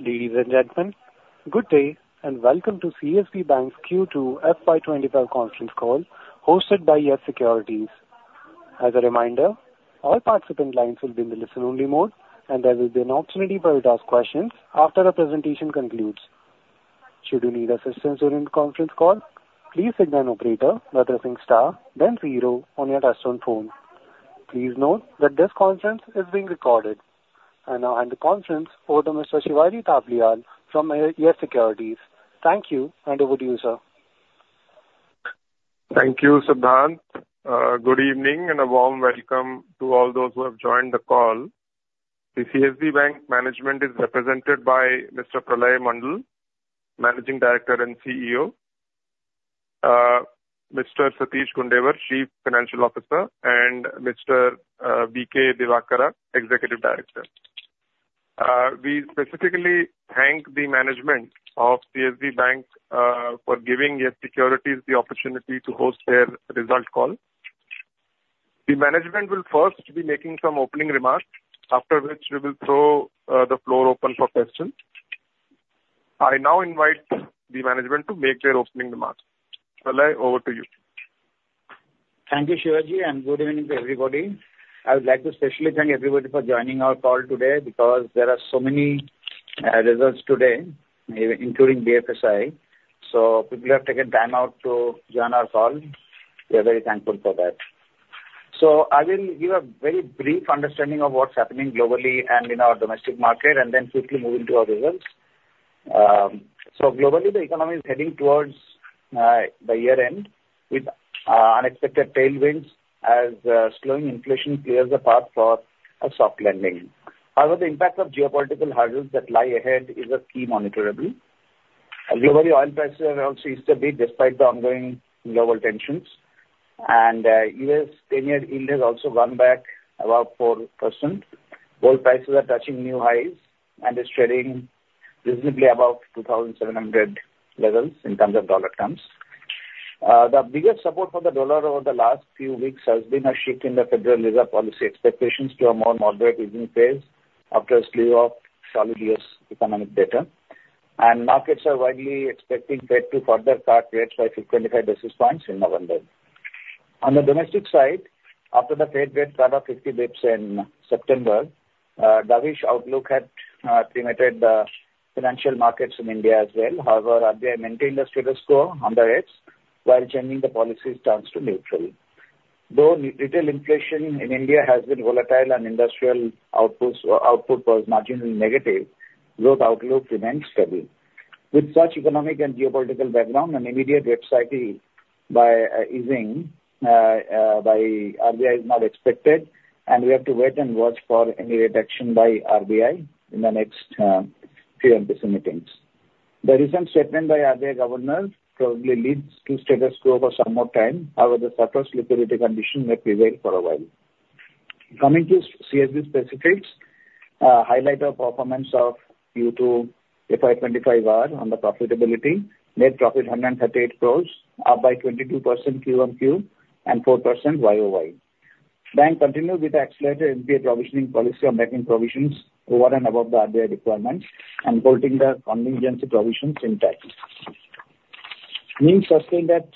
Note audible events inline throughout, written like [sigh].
Ladies and gentlemen, good day, and welcome to CSB Bank's Q2 FY 2025 conference call, hosted by YES Securities. As a reminder, all participant lines will be in the listen-only mode, and there will be an opportunity for you to ask questions after the presentation concludes. Should you need assistance during the conference call, please signal an operator by pressing star then zero on your touchtone phone. Please note that this conference is being recorded. I now hand the conference over to Mr. Shivaji Thapliyal from YES Securities. Thank you, and over to you, sir. Thank you, Siddhant. Good evening and a warm welcome to all those who have joined the call. The CSB Bank management is represented by Mr. Pralay Mondal, Managing Director and CEO, Mr. Satish Gundewar, Chief Financial Officer, and Mr. B.K. Divakara, Executive Director. We specifically thank the management of CSB Bank for giving YES Securities the opportunity to host their results call. The management will first be making some opening remarks, after which we will throw the floor open for questions. I now invite the management to make their opening remarks. Pralay, over to you. Thank you, Shivaji, and good evening to everybody. I would like to specially thank everybody for joining our call today, because there are so many results today, including BFSI. So people have taken time out to join our call. We are very thankful for that. So I will give a very brief understanding of what's happening globally and in our domestic market, and then quickly move into our results. So globally, the economy is heading towards the year-end, with unexpected tailwinds as slowing inflation clears the path for a soft landing. However, the impact of geopolitical hurdles that lie ahead is a key monitorable. Globally, oil prices have also eased a bit despite the ongoing global tensions, and U.S. ten-year yield has also gone back about 4%. Gold prices are touching new highs and is trading reasonably above $2,700 per troy ounce levels in dollar terms. The biggest support for the dollar over the last few weeks has been a shift in the Federal Reserve policy expectations to a more moderate easing phase after a slew of solid U.S. economic data, and markets are widely expecting Fed to further cut rates by 55 basis points in November. On the domestic side, after the Fed rate cut of 50 basis points in September, dovish outlook had limited the financial markets in India as well. However, RBI maintained the status quo on the rates while changing the policy stance to neutral. Though retail inflation in India has been volatile and industrial output was marginally negative, growth outlook remains steady. With such economic and geopolitical background, an immediate rate cycle by easing by RBI is not expected, and we have to wait and watch for any reduction by RBI in the next three MPC meetings. The recent statement by RBI Governor probably leads to status quo for some more time. However, the surplus liquidity condition may prevail for a while. Coming to CSB specifics, highlight of performance of Q2 FY25 are on the profitability. Net profit 138 crores, up by 22% Q-on-Q, and 4% YoY. Bank continued with the accelerated NPA provisioning policy on making provisions over and above the RBI requirements and holding the contingency provisions intact. Margins sustained at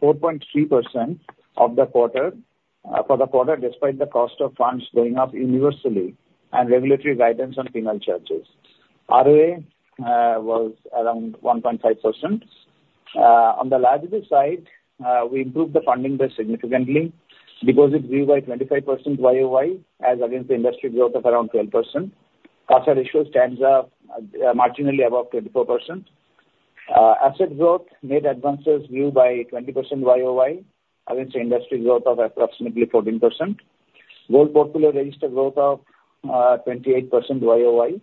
four point three percent for the quarter, despite the cost of funds going up universally and regulatory guidance on penal charges. ROA was around one point five percent. On the liability side, we improved the funding base significantly. Deposits grew by 25% YoY, as against the industry growth of around 12%. CASA ratio stands up marginally above 24%. Asset growth and advances grew by 20% YoY, against the industry growth of approximately 14%. Whole portfolio registered growth of 28% YoY.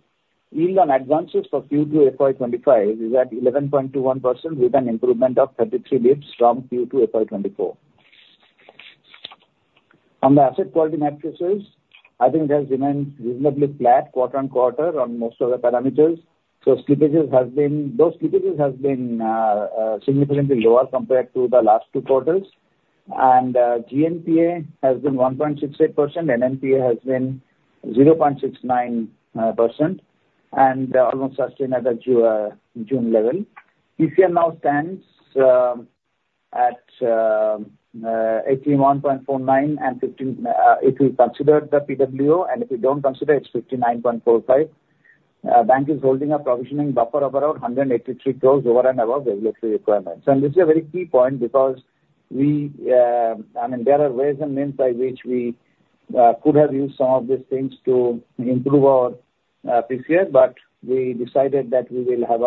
Yield on advances for Q2 FY 2025 is at 11.21%, with an improvement of thirty-three basis points from Q2 FY 2024. On the asset quality metrics, I think it has remained reasonably flat quarter on quarter on most of the parameters. Those slippages has been significantly lower compared to the last two quarters. GNPA has been 1.68%, NNPA has been 0.69%, and almost sustained at the June level. PCR now stands at 81.49% and 115% if we consider the PWO, and if we don't consider, it's 59.45%. Bank is holding a provisioning buffer of around 183 crores over and above regulatory requirements. This is a very key point because we, I mean, there are ways and means by which we could have used some of these things to improve our PCR, but we decided that we will have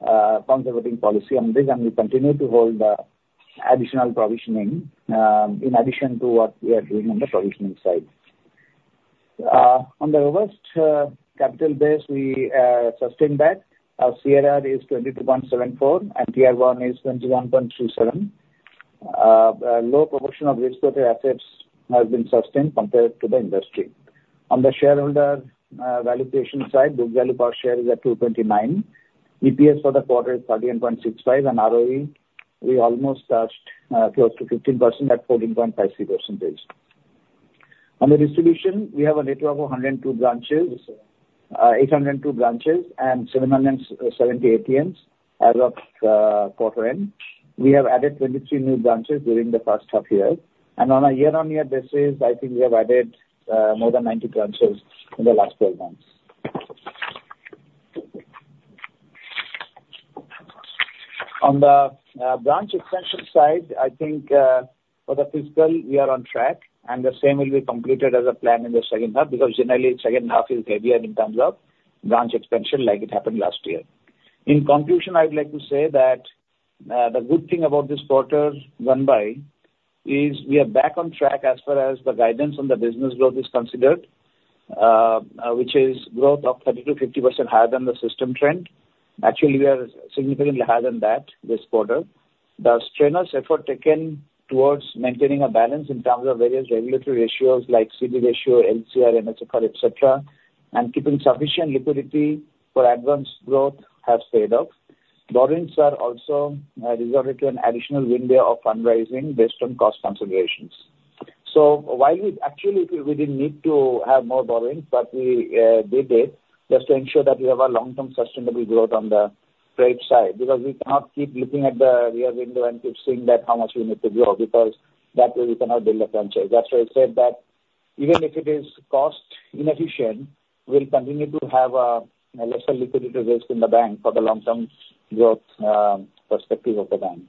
a conservative policy on this, and we continue to hold the additional provisioning in addition to what we are doing on the provisioning side. On the robust capital base, we sustained that. Our CRAR is 22.74%, and Tier-1 is 21.37%. Low proportion of risk-weighted assets has been sustained compared to the industry. On the shareholder valuation side, book value per share is at 229. EPS for the quarter is 13.65, and ROE [audio distortion] we almost touched close to 15% at 14.53%. On the distribution, we have a network of hundred and two branches, eight hundred and two branches and seven hundred and seventy ATMs as of quarter end. We have added 23 new branches during the first half year, and on a year-on-year basis, I think we have added more than ninety branches in the last twelve months. On the branch expansion side, I think for the fiscal, we are on track, and the same will be completed as a plan in the second half, because generally, second half is heavier in terms of branch expansion, like it happened last year. In conclusion, I would like to say that the good thing about this quarter gone by is we are back on track as far as the guidance on the business growth is considered, which is growth of 30%-50% higher than the system trend. Actually, we are significantly higher than that this quarter. The strenuous effort taken towards maintaining a balance in terms of various regulatory ratios like CRAR, LCR, NSFR, et cetera, and keeping sufficient liquidity for advanced growth have paid off. Borrowings are also resorted to an additional window of fundraising based on cost considerations. So while we actually didn't need to have more borrowings, but we did it just to ensure that we have a long-term sustainable growth on the trade side, because we cannot keep looking at the rear window and keep seeing that how much we need to grow, because that way we cannot build a franchise. That's why I said that even if it is cost inefficient, we'll continue to have a lesser liquidity risk in the bank for the long-term growth perspective of the bank.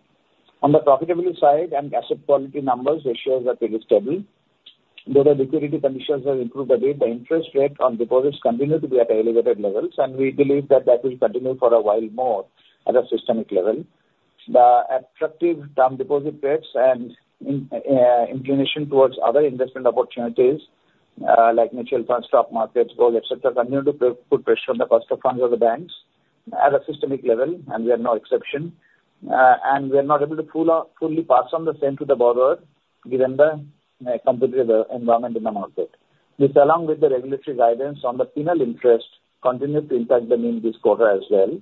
On the profitability side and asset quality numbers, ratios are pretty stable. Though the liquidity conditions have improved a bit, the interest rate on deposits continue to be at elevated levels, and we believe that that will continue for a while more at a systemic level. The attractive term deposit rates and an inclination towards other investment opportunities, like mutual funds, stock markets, gold, et cetera, continue to put pressure on the cost of funds of the banks at a systemic level, and we are no exception, and we are not able to fully pass on the same to the borrower, given the competitive environment in the market. This, along with the regulatory guidance on the penal interest, continue to impact the NIM this quarter as well,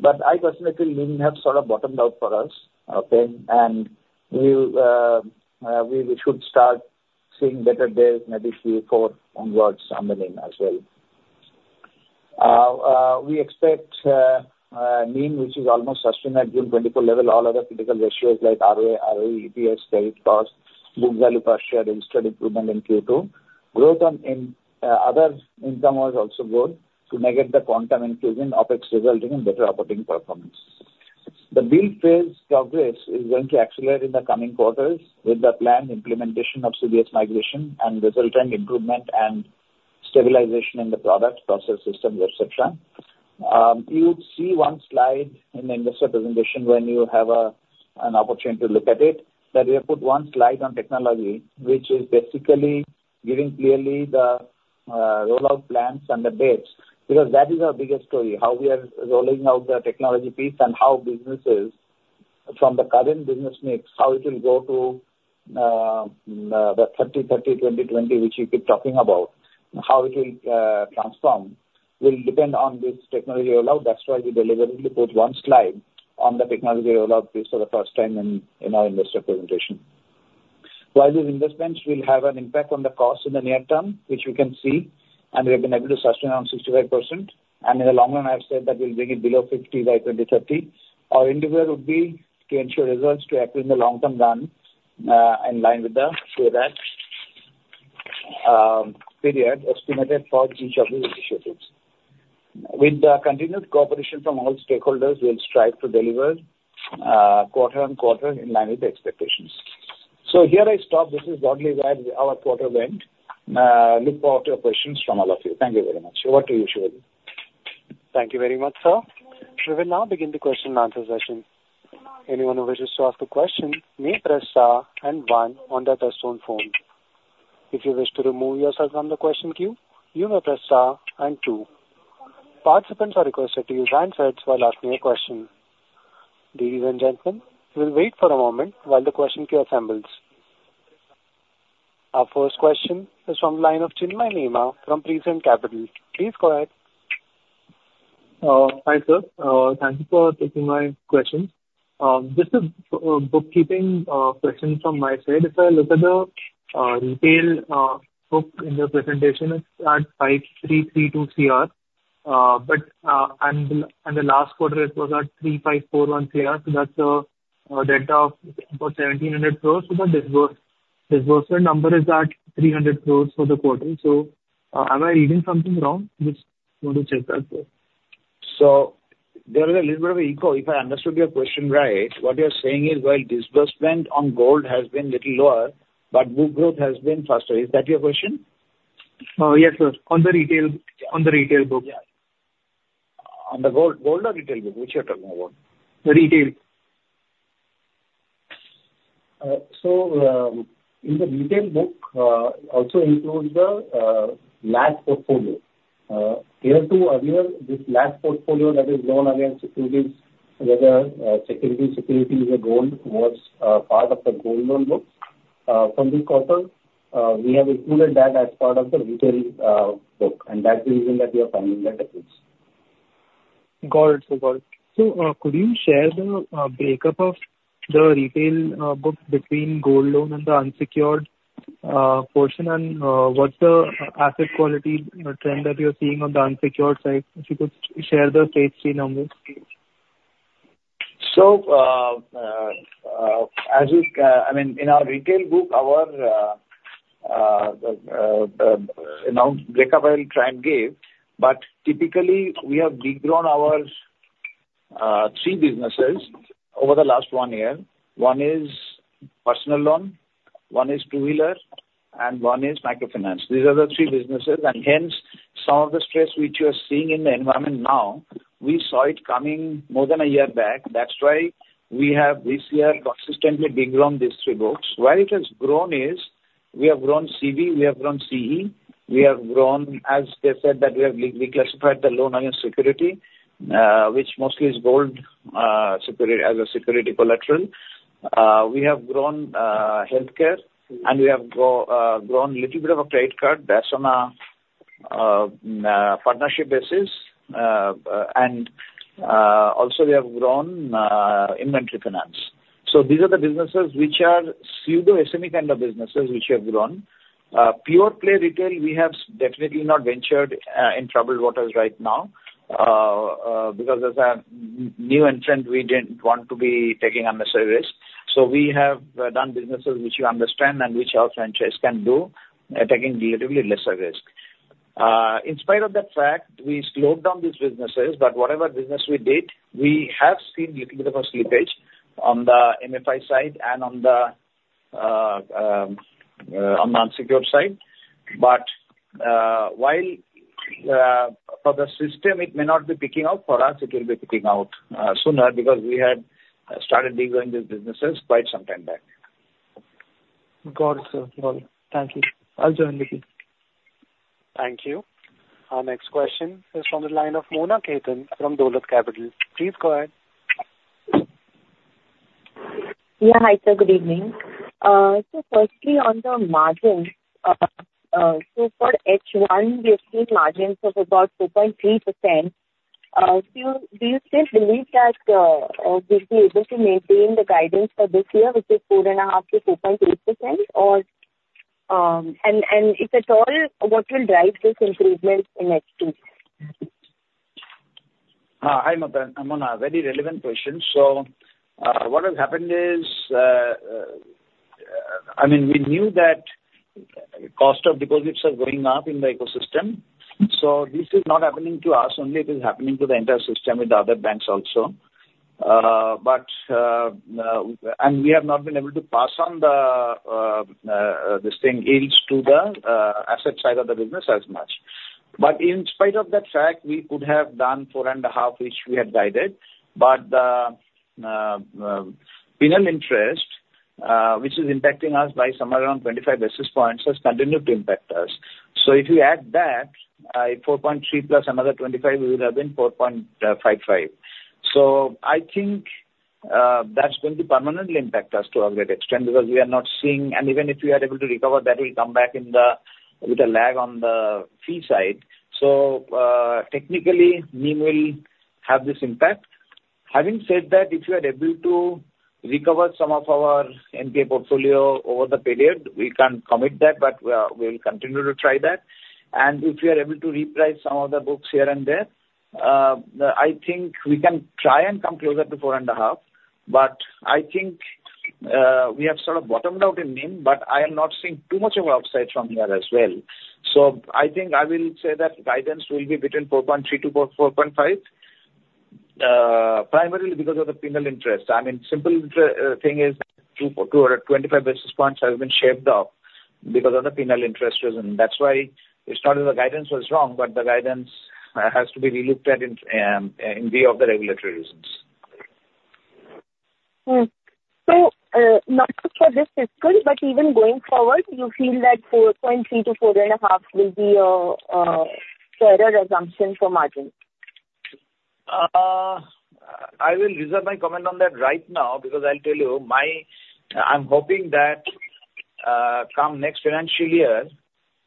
but I personally believe we have sort of bottomed out for us, okay, and we should start seeing better days maybe Q4 onwards on the NIM as well. We expect NIM, which is almost sustained at June 2024 level. All other critical ratios like ROA, ROE, EPS, credit cost, book value per share, registered improvement in Q2. Growth in other income was also good to negate the quantum inclusion OpEx, resulting in better operating performance. The build phase progress is going to accelerate in the coming quarters with the planned implementation of CBS migration and resulting improvement and stabilization in the product, process, systems, et cetera. You'd see one slide in the investor presentation when you have an opportunity to look at it, that we have put one slide on technology, which is basically giving clearly the rollout plans and the dates, because that is our biggest story, how we are rolling out the technology piece and how businesses from the current business mix, how it will go to the 30/30, 20,20, which we keep talking about. How it will transform will depend on this technology rollout. That's why we deliberately put one slide on the technology rollout piece for the first time in our investor presentation. While these investments will have an impact on the cost in the near term, which we can see, and we have been able to sustain around 65%, and in the long run, I have said that we'll bring it below 50% by 2030. Our endeavor would be to ensure results to accrue in the long term run, in line with the period estimated for each of these initiatives. With the continued cooperation from all stakeholders, we'll strive to deliver quarter on quarter in line with the expectations. So here I stop. This is broadly where our quarter went. Look forward to your questions from all of you. Thank you very much. Over to you, Shivaji. Thank you very much, sir. We will now begin the question and answer session. Anyone who wishes to ask a question may press star and one on their touchtone phone. If you wish to remove yourself from the question queue, you may press star and two. Participants are requested to use handsets while asking a question. Ladies and gentlemen, we'll wait for a moment while the question queue assembles. Our first question is from line of Chinmay Nema from Prescient Capital. Please go ahead. Hi, sir. Thank you for taking my question. Just a bookkeeping question from my side. If I look at the retail book in your presentation, it's at Rs. 5,332 crore. But in the last quarter, it was at 3,541 crore, so that's a delta of about Rs. 1,700 crores, so the disbursement number is at Rs. 300 crores for the quarter. So, am I reading something wrong? Just want to check that, sir. So there is a little bit of echo. If I understood your question right, what you're saying is, while disbursement on gold has been little lower, but book growth has been faster. Is that your question? Yes, sir. On the retail book. Yeah. On the gold loan or retail book? Which you are talking about? The retail. So, in the retail book, also includes the LAS portfolio. Heretofore, this LAS portfolio that is loan against securities, whether the security is gold, was part of the gold loan book. From this quarter, we have included that as part of the retail book, and that's the reason that we are finding that difference.... Got it. So, could you share the breakup of the retail book between gold loan and the unsecured portion? And, what's the asset quality trend that you're seeing on the unsecured side? If you could share the stage three numbers, please. I mean, in our retail book, you know, break-up trend gave, but typically, we have de-grown our three businesses over the last one year. One is personal loan, one is two-wheeler, and one is microfinance. These are the three businesses, and hence, some of the stress which you are seeing in the environment now, we saw it coming more than a year back. That's why we have this year consistently de-grown these three books. Where it has grown is we have grown CV, we have grown CE, we have grown, as they said, that we have reclassified the loan against security, which mostly is gold security, as a security collateral. We have grown healthcare, and we have grown little bit of a credit card that's on a partnership basis. Also we have grown inventory finance. So these are the businesses which are pseudo-SME kind of businesses which have grown. Pure play retail, we have definitely not ventured in troubled waters right now, because as a new entrant, we didn't want to be taking unnecessary risk. So we have done businesses which you understand and which our franchise can do at taking relatively lesser risk. In spite of that fact, we slowed down these businesses, but whatever business we did, we have seen little bit of a slippage on the MFI side and on the non-secure side. But while for the system, it may not be picking up, for us, it will be picking out sooner because we had started de-growing these businesses quite some time back. Got it, sir. Got it. Thank you. I'll join the queue. Thank you. Our next question is from the line of Mona Khetan from Dolat Capital. Please go ahead. Yeah, hi, sir, good evening. So firstly, on the margins, so for H1, we have seen margins of about 4.3%. Do you still believe that we'll be able to maintain the guidance for this year, which is 4.5%-6.3%? Or, and if at all, what will drive this improvement in H2? Hi, Mona. Very relevant question, so what has happened is, I mean, we knew that cost of deposits are going up in the ecosystem, so this is not happening to us only, it is happening to the entire system with the other banks also, but and we have not been able to pass on the, this thing, yields to the, asset side of the business as much, but in spite of that fact, we could have done 4.5%, which we had guided, but the, penal interest, which is impacting us by somewhere around 25 basis points, has continued to impact us, so if we add that, 4.3% plus another 25, we would have been 4.55%. So I think, that's going to permanently impact us to a great extent because we are not seeing... And even if we are able to recover, that will come back in, with a lag on the fee side. So, technically, NIM will have this impact. Having said that, if we are able to recover some of our NPA portfolio over the period, we can't commit that, but we, we'll continue to try that. And if we are able to reprice some of the books here and there, I think we can try and come closer to four and a half, but I think, we have sort of bottomed out in NIM, but I am not seeing too much of upside from here as well. So I think I will say that guidance will be between 4.3%-4.5%, primarily because of the penal interest. I mean, simple, thing is, 225 basis points has been shaved off because of the penal interest reason. That's why it's not that the guidance was wrong, but the guidance has to be relooked at in view of the regulatory reasons. So, not just for this fiscal, but even going forward, you feel that 4.3%-4.5% will be your fairer assumption for margin? I will reserve my comment on that right now because I'll tell you I'm hoping that, come next financial year,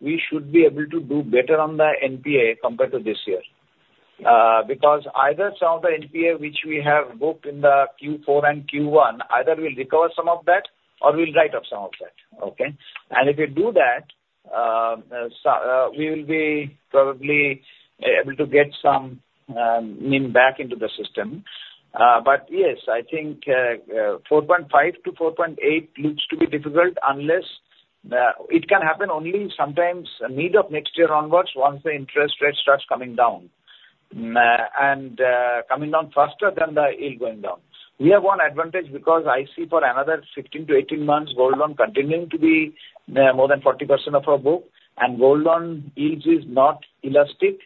we should be able to do better on the NPA compared to this year. Because either some of the NPA which we have booked in the Q4 and Q1, either we'll recover some of that or we'll write off some of that. Okay? And if we do that, so, we will be probably able to get some NIM back into the system. But yes, I think 4.5%-4.8% looks to be difficult unless it can happen only sometimes mid of next year onwards, once the interest rate starts coming down, and coming down faster than the yield going down. We have one advantage because I see for another 16-18 months, gold loan continuing to be more than 40% of our book, and gold loan yields is not elastic.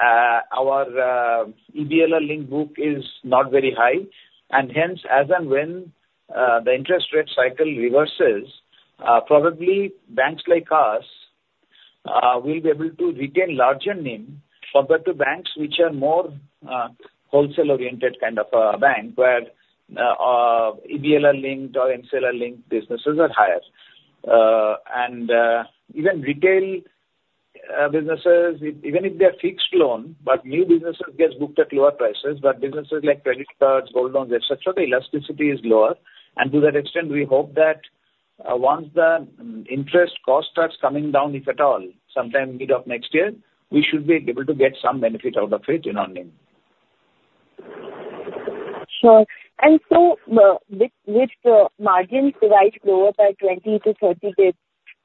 Our EBLR-linked book is not very high, and hence, as and when the interest rate cycle reverses, probably banks like us will be able to retain larger NIM compared to banks which are more wholesale-oriented kind of bank, where EBLR-linked or MCLR-linked businesses are higher, and even retail businesses, even if they are fixed loan, but new businesses gets booked at lower prices, but businesses like credit cards, gold loans, et cetera, the elasticity is lower. And to that extent, we hope that once the interest cost starts coming down, if at all, sometime middle of next year, we should be able to get some benefit out of it in our name. Sure. And so, with the margins right grow up by 20-30 basis points,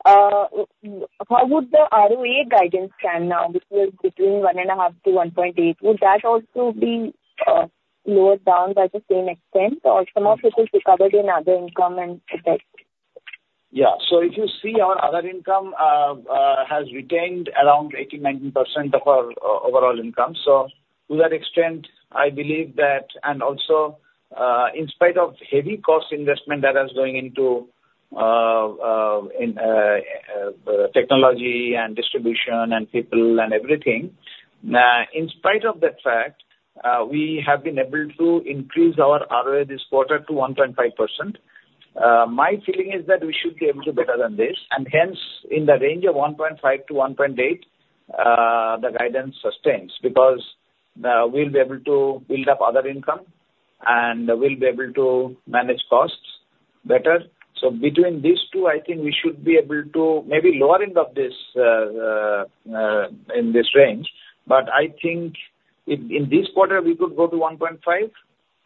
how would the ROA guidance stand now, which was between 1.5%-1.8%? Would that also be lowered down by the same extent, or some of it is recovered in other income and effects? Yeah. So if you see our other income has retained around 80-90% of our overall income. So to that extent, I believe that... And also, in spite of heavy cost investment that is going into technology and distribution and people and everything, in spite of that fact, we have been able to increase our ROA this quarter to 1.5%. My feeling is that we should be able to do better than this, and hence, in the range of 1.5%-1.8% the guidance sustains, because we'll be able to build up other income, and we'll be able to manage costs better. So between these two, I think we should be able to maybe lower end of this in this range. But I think in this quarter, we could go to 1.5%.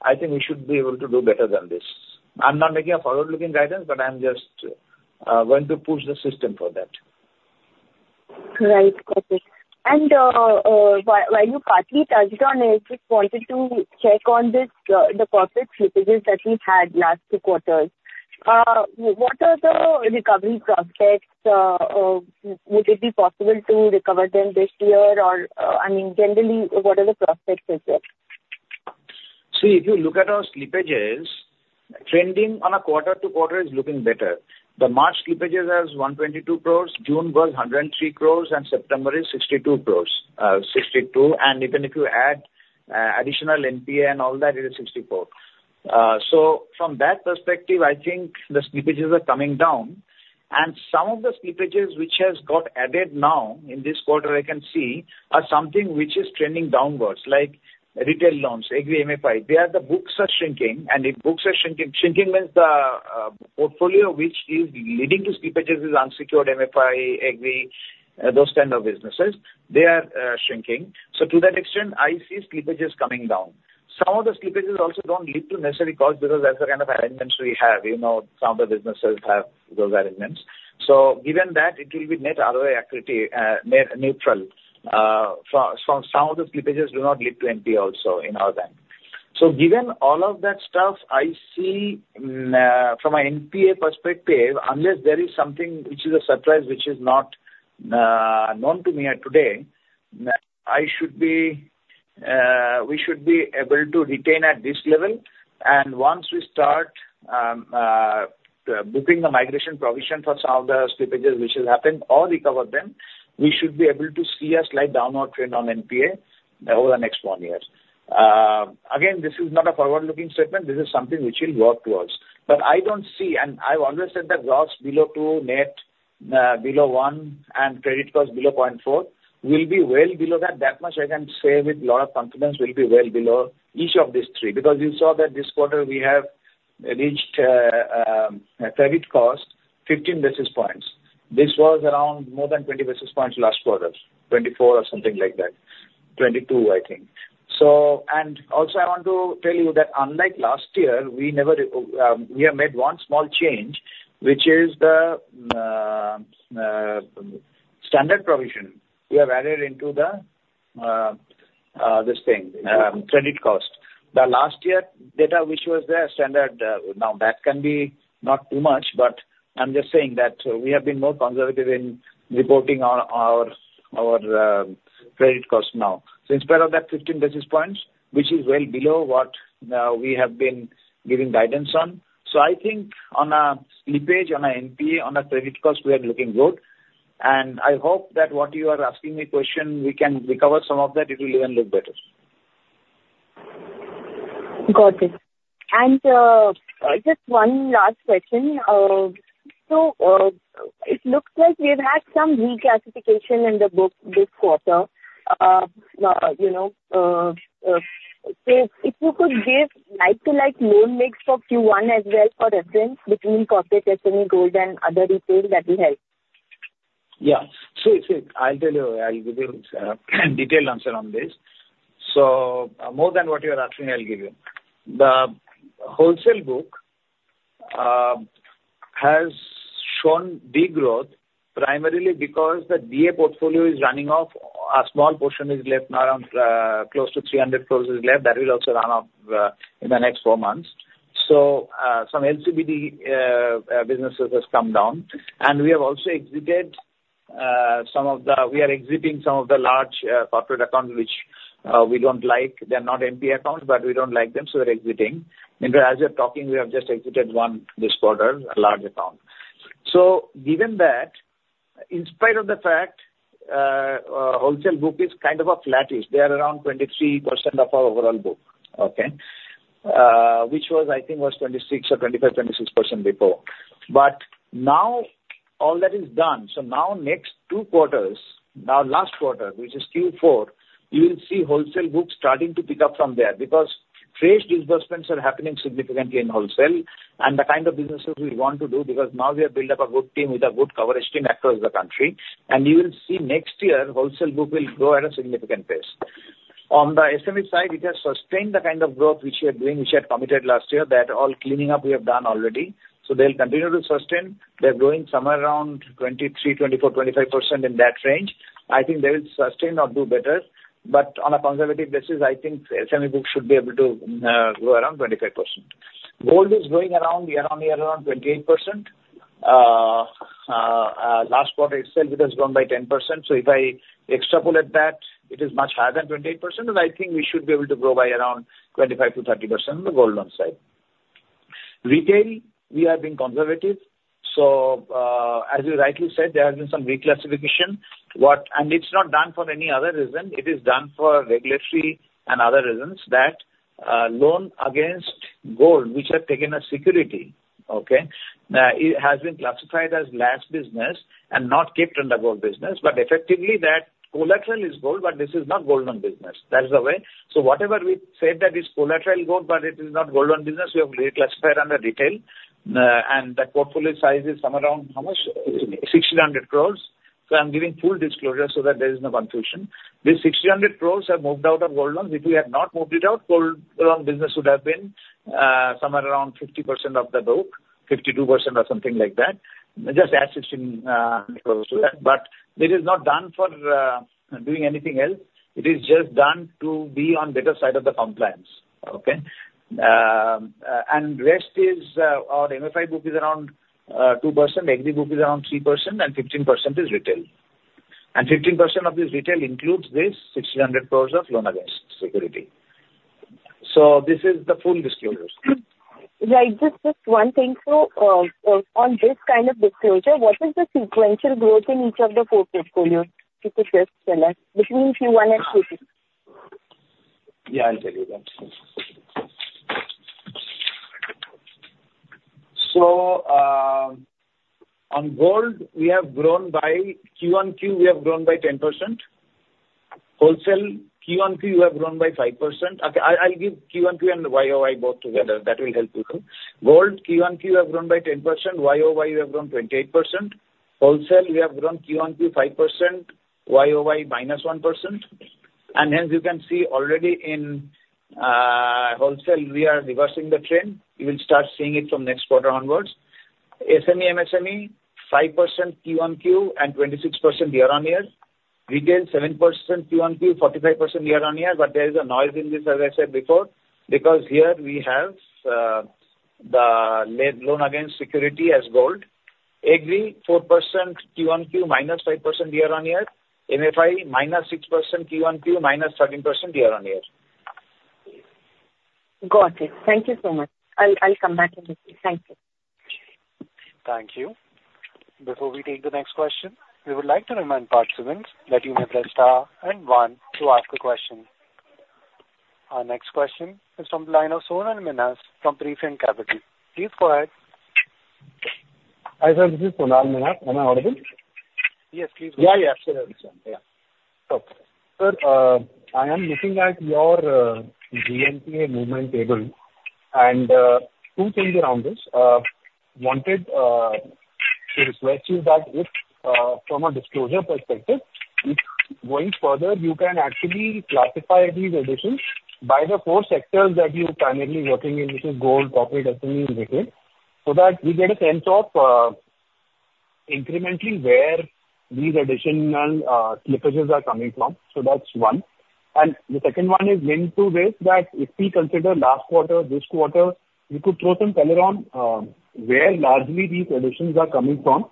I think we should be able to do better than this. I'm not making a forward-looking guidance, but I'm just going to push the system for that. Right. Got it. And, while you partly touched on it, just wanted to check on this, the profit slippages that we had last two quarters. What are the recovery prospects? Would it be possible to recover them this year? Or, I mean, generally, what are the prospects with it? See, if you look at our slippages, trending on a quarter to quarter is looking better. The March slippages was 122 crores, June was 103 crores, and September is 62 crores, and even if you add additional NPA and all that, it is 64. So from that perspective, I think the slippages are coming down, and some of the slippages which has got added now in this quarter, I can see, are something which is trending downwards, like retail loans, Agri, MFI. There, the books are shrinking, and if books are shrinking, shrinking means the portfolio which is leading to slippages is unsecured MFI, Agri, those kind of businesses, they are shrinking. So to that extent, I see slippages coming down. Some of the slippages also don't lead to necessary costs, because that's the kind of arrangements we have. You know, some of the businesses have those arrangements. So given that, it will be net ROE accretive neutral. So some of the slippages do not lead to NPA also in our bank. So given all of that stuff, I see from an NPA perspective, unless there is something which is a surprise, which is not known to me today, I should be, we should be able to retain at this level. And once we start booking the migration provision for some of the slippages which has happened or recover them, we should be able to see a slight downward trend on NPA over the next one year. Again, this is not a forward-looking statement, this is something which we'll work towards. But I don't see, and I've always said that gross NPA will be below 2%, net below 1%, and credit cost below 0.4%, we'll be well below that. That much I can say with a lot of confidence, we'll be well below each of these three. Because you saw that this quarter we have reached credit cost 15 basis points. This was around more than 20 basis points last quarter, 24 or something like that. 22, I think. So, and also, I want to tell you that unlike last year, we never we have made one small change, which is the standard provision we have added into the this thing credit cost. The last year data, which was the standard, now that can be not too much, but I'm just saying that we have been more conservative in reporting on our credit cost now. So in spite of that 15 basis points, which is well below what we have been giving guidance on. So I think on a slippage, on a NPA, on a credit cost, we are looking good, and I hope that what you are asking me question, we can recover some of that, it will even look better. Got it. And just one last question. So it looks like we've had some reclassification in the book this quarter. You know, so if you could give like to like loan mix for Q1 as well, for reference, between corporate, SME, growth, and other retail, that will help. Yeah. So I'll tell you, I'll give you detailed answer on this. So more than what you are asking, I'll give you. The wholesale book has shown degrowth primarily because the DA portfolio is running off. A small portion is left, around close to 300 crores is left. That will also run off in the next four months. So some LCBD businesses has come down, and we have also exited we are exiting some of the large corporate accounts which we don't like. They're not NPA accounts, but we don't like them, so we're exiting. In fact, as we're talking, we have just exited one this quarter, a large account. So given that [audio distortion] In spite of the fact, wholesale book is kind of flatish. They are around 23% of our overall book, okay? Which was, I think, 26% or 25%, 26% before. But now all that is done. So now next two quarters, now last quarter, which is Q4, you will see wholesale books starting to pick up from there because fresh disbursements are happening significantly in wholesale and the kind of businesses we want to do, because now we have built up a good team with a good coverage team across the country. And you will see next year, wholesale book will grow at a significant pace. On the SME side, we have sustained the kind of growth which we are doing, which we had committed last year. That all cleaning up we have done already. So they'll continue to sustain. They're growing somewhere around 23-25%, in that range. I think they will sustain or do better, but on a conservative basis, I think SME book should be able to grow around 25%. Gold is growing around, year-on-year, around 28%. Last quarter itself, it has grown by 10%. So if I extrapolate that, it is much higher than 28%, and I think we should be able to grow by around 25-30% on the gold loan side. Retail, we are being conservative, so, as you rightly said, there have been some reclassification. And it's not done for any other reason, it is done for regulatory and other reasons, that, loan against gold, which had taken a security, okay, it has been classified as LAS business and not kept in the gold business. But effectively that collateral is gold, but this is not gold loan business. That is the way. So whatever we said that is collateral gold, but it is not gold loan business, we have reclassified under retail, and that portfolio size is somewhere around, how much? Six hundred crores. So I'm giving full disclosure so that there is no confusion. This six hundred crores have moved out of gold loans. If we had not moved it out, gold loan business would have been, somewhere around 50% of the book, 52% or something like that. Just add 16 crores to that. But it is not done for doing anything else. It is just done to be on better side of the compliance, okay? and rest is our MFI book is around 2%, Agri book is around 3%, and 15% is retail. And 15% of this retail includes this 6,000 crores of loan against security. So this is the full disclosure. Yeah, just one thing, so on this kind of disclosure, what is the sequential growth in each of the four portfolios that you just said, between Q1 and Q2? Yeah, I'll tell you that. So, on gold, we have grown by Q-on-Q, we have grown by 10%. Wholesale Q-on-Q, we have grown by 5%. Okay, I'll give Q-on-Q and the YoY both together. That will help you. Gold, Q-on-Q have grown by 10%, YoY we have grown 28%. Wholesale, we have grown Q-on-Q, 5%, YoY, -1%. And hence you can see already in, wholesale, we are reversing the trend. You will start seeing it from next quarter onwards. SME, MSME, 5% Q-on-Q and 26% year-on-year. Retail, 7% Q-on-Q, 45% year-on-year, but there is a noise in this, as I said before, because here we have, the loan against security as gold. Agri, 4% Q-on-Q, -5% year-on-year. MFI, minus 6% Q-on-Q, minus 13% year-on-year. Got it. Thank you so much. I'll come back in this. Thank you. Thank you. Before we take the next question, we would like to remind participants that you may press Star and One to ask a question. Our next question is from the line of Sonal Minhas from Prescient Capital. Please go ahead. Hi, sir, this is Sonal Minhas. Am I audible? Yes, please go ahead. Yeah, yeah, absolutely, yeah. Okay. Sir, I am looking at your GNPA movement table, and two things around this. Wanted to request you that if, from a disclosure perspective, if going further, you can actually classify these additions by the four sectors that you're primarily working in, which is gold, corporate, SME and retail, so that we get a sense of incrementally where these additional slippages are coming from. So that's one. And the second one is linked to this, that if we consider last quarter, this quarter, you could throw some color on where largely these additions are coming from,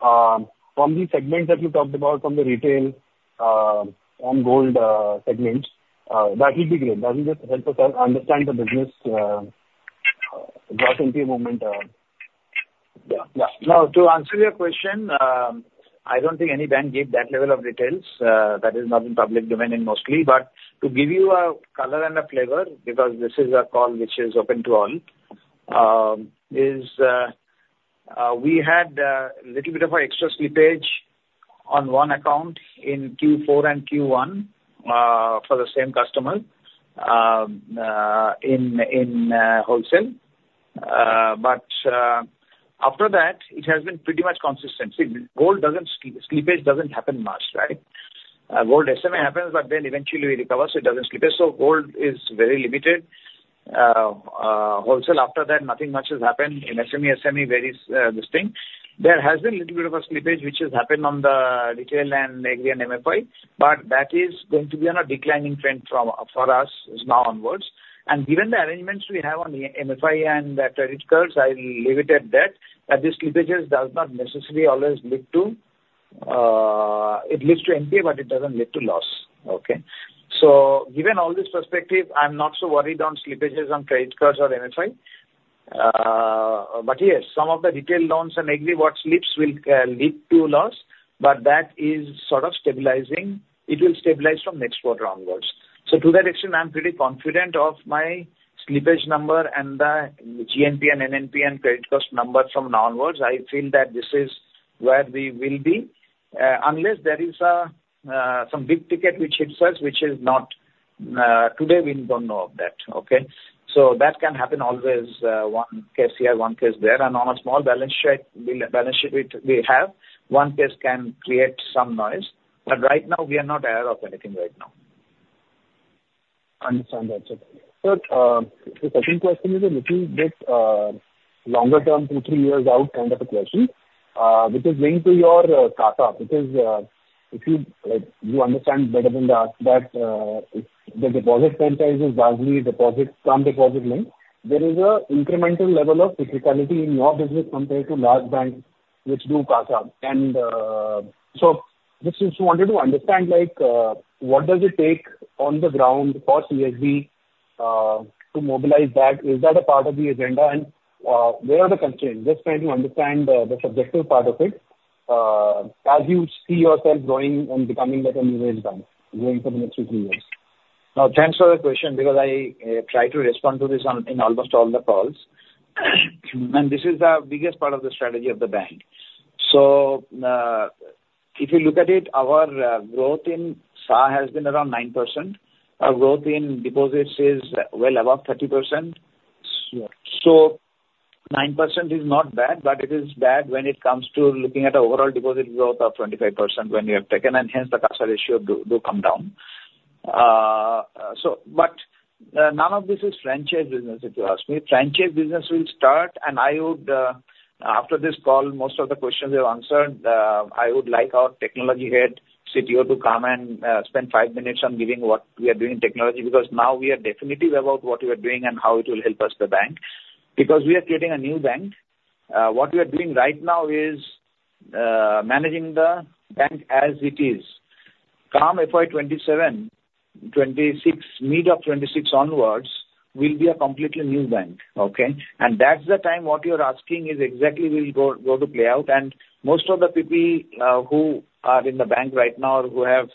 from the segments that you talked about, from the Retail and Gold segments. That will be great. That will just help us understand the business GNPA movement. Yeah, yeah. Now, to answer your question, I don't think any bank gave that level of details. That is not in public domain in mostly. But to give you a color and a flavor, because this is a call which is open to all, is, we had little bit of an extra slippage on one account in Q4 and Q1, for the same customer, in wholesale. But after that, it has been pretty much consistent. See, gold doesn't slippage happen much, right? Gold SME happens, but then eventually it recovers, it doesn't slippage. So Gold is very limited. Wholesale, after that, nothing much has happened. In SME, SME varies, this thing. There has been little bit of a slippage which has happened on the retail and Agri and MFI, but that is going to be on a declining trend from now onwards for us. Given the arrangements we have on the MFI and the credit cards, I will leave it at that, that the slippages does not necessarily always lead to NPA, but it doesn't lead to loss, okay. Given all this perspective, I'm not so worried on slippages on credit cards or MFI. Yes, some of the retail loans and Agri what slips will lead to loss, but that is sort of stabilizing. It will stabilize from next quarter onwards. To that extent, I'm pretty confident of my slippage number and the GNPA and NNPA and credit cost number from now onwards. I feel that this is where we will be, unless there is a some big ticket which hits us, which is not today, we don't know of that, okay? So that can happen always, one case here, one case there, and on a small balance sheet balance sheet we have, one case can create some noise, but right now we are not aware of anything right now. Understand that, sir. Sir, the second question is a little bit longer term, two, three years out kind of a question, which is linked to your CASA. Because, if you understand better than that, if the deposit franchise is largely deposit, from deposit link, there is a incremental level of criticality in your business compared to large banks which do CASA. And, so just wanted to understand, like, what does it take on the ground for CSB to mobilize that? Is that a part of the agenda? And, where are the constraints? Just trying to understand the subjective part of it, as you see yourself growing and becoming like a universal bank growing for the next two, three years. Now, thanks for the question, because I try to respond to this on, in almost all the calls, and this is the biggest part of the strategy of the bank. So, if you look at it, our growth in SA has been around 9%. Our growth in deposits is well above 30%. Sure. So 9% is not bad, but it is bad when it comes to looking at the overall deposit growth of 25% when we have taken, and hence the CASA ratio do come down. So but, none of this is franchise business, if you ask me. Franchise business will start, and I would, after this call, most of the questions are answered, I would like our technology head, CTO, to come and, spend five minutes on giving what we are doing in technology, because now we are definitive about what we are doing and how it will help us, the bank. Because we are creating a new bank, what we are doing right now is, managing the bank as it is. From FY 2027, 2026, mid of 2026 onwards, will be a completely new bank, okay? And that's the time what you're asking is exactly will go to play out. And most of the people who are in the bank right now or who have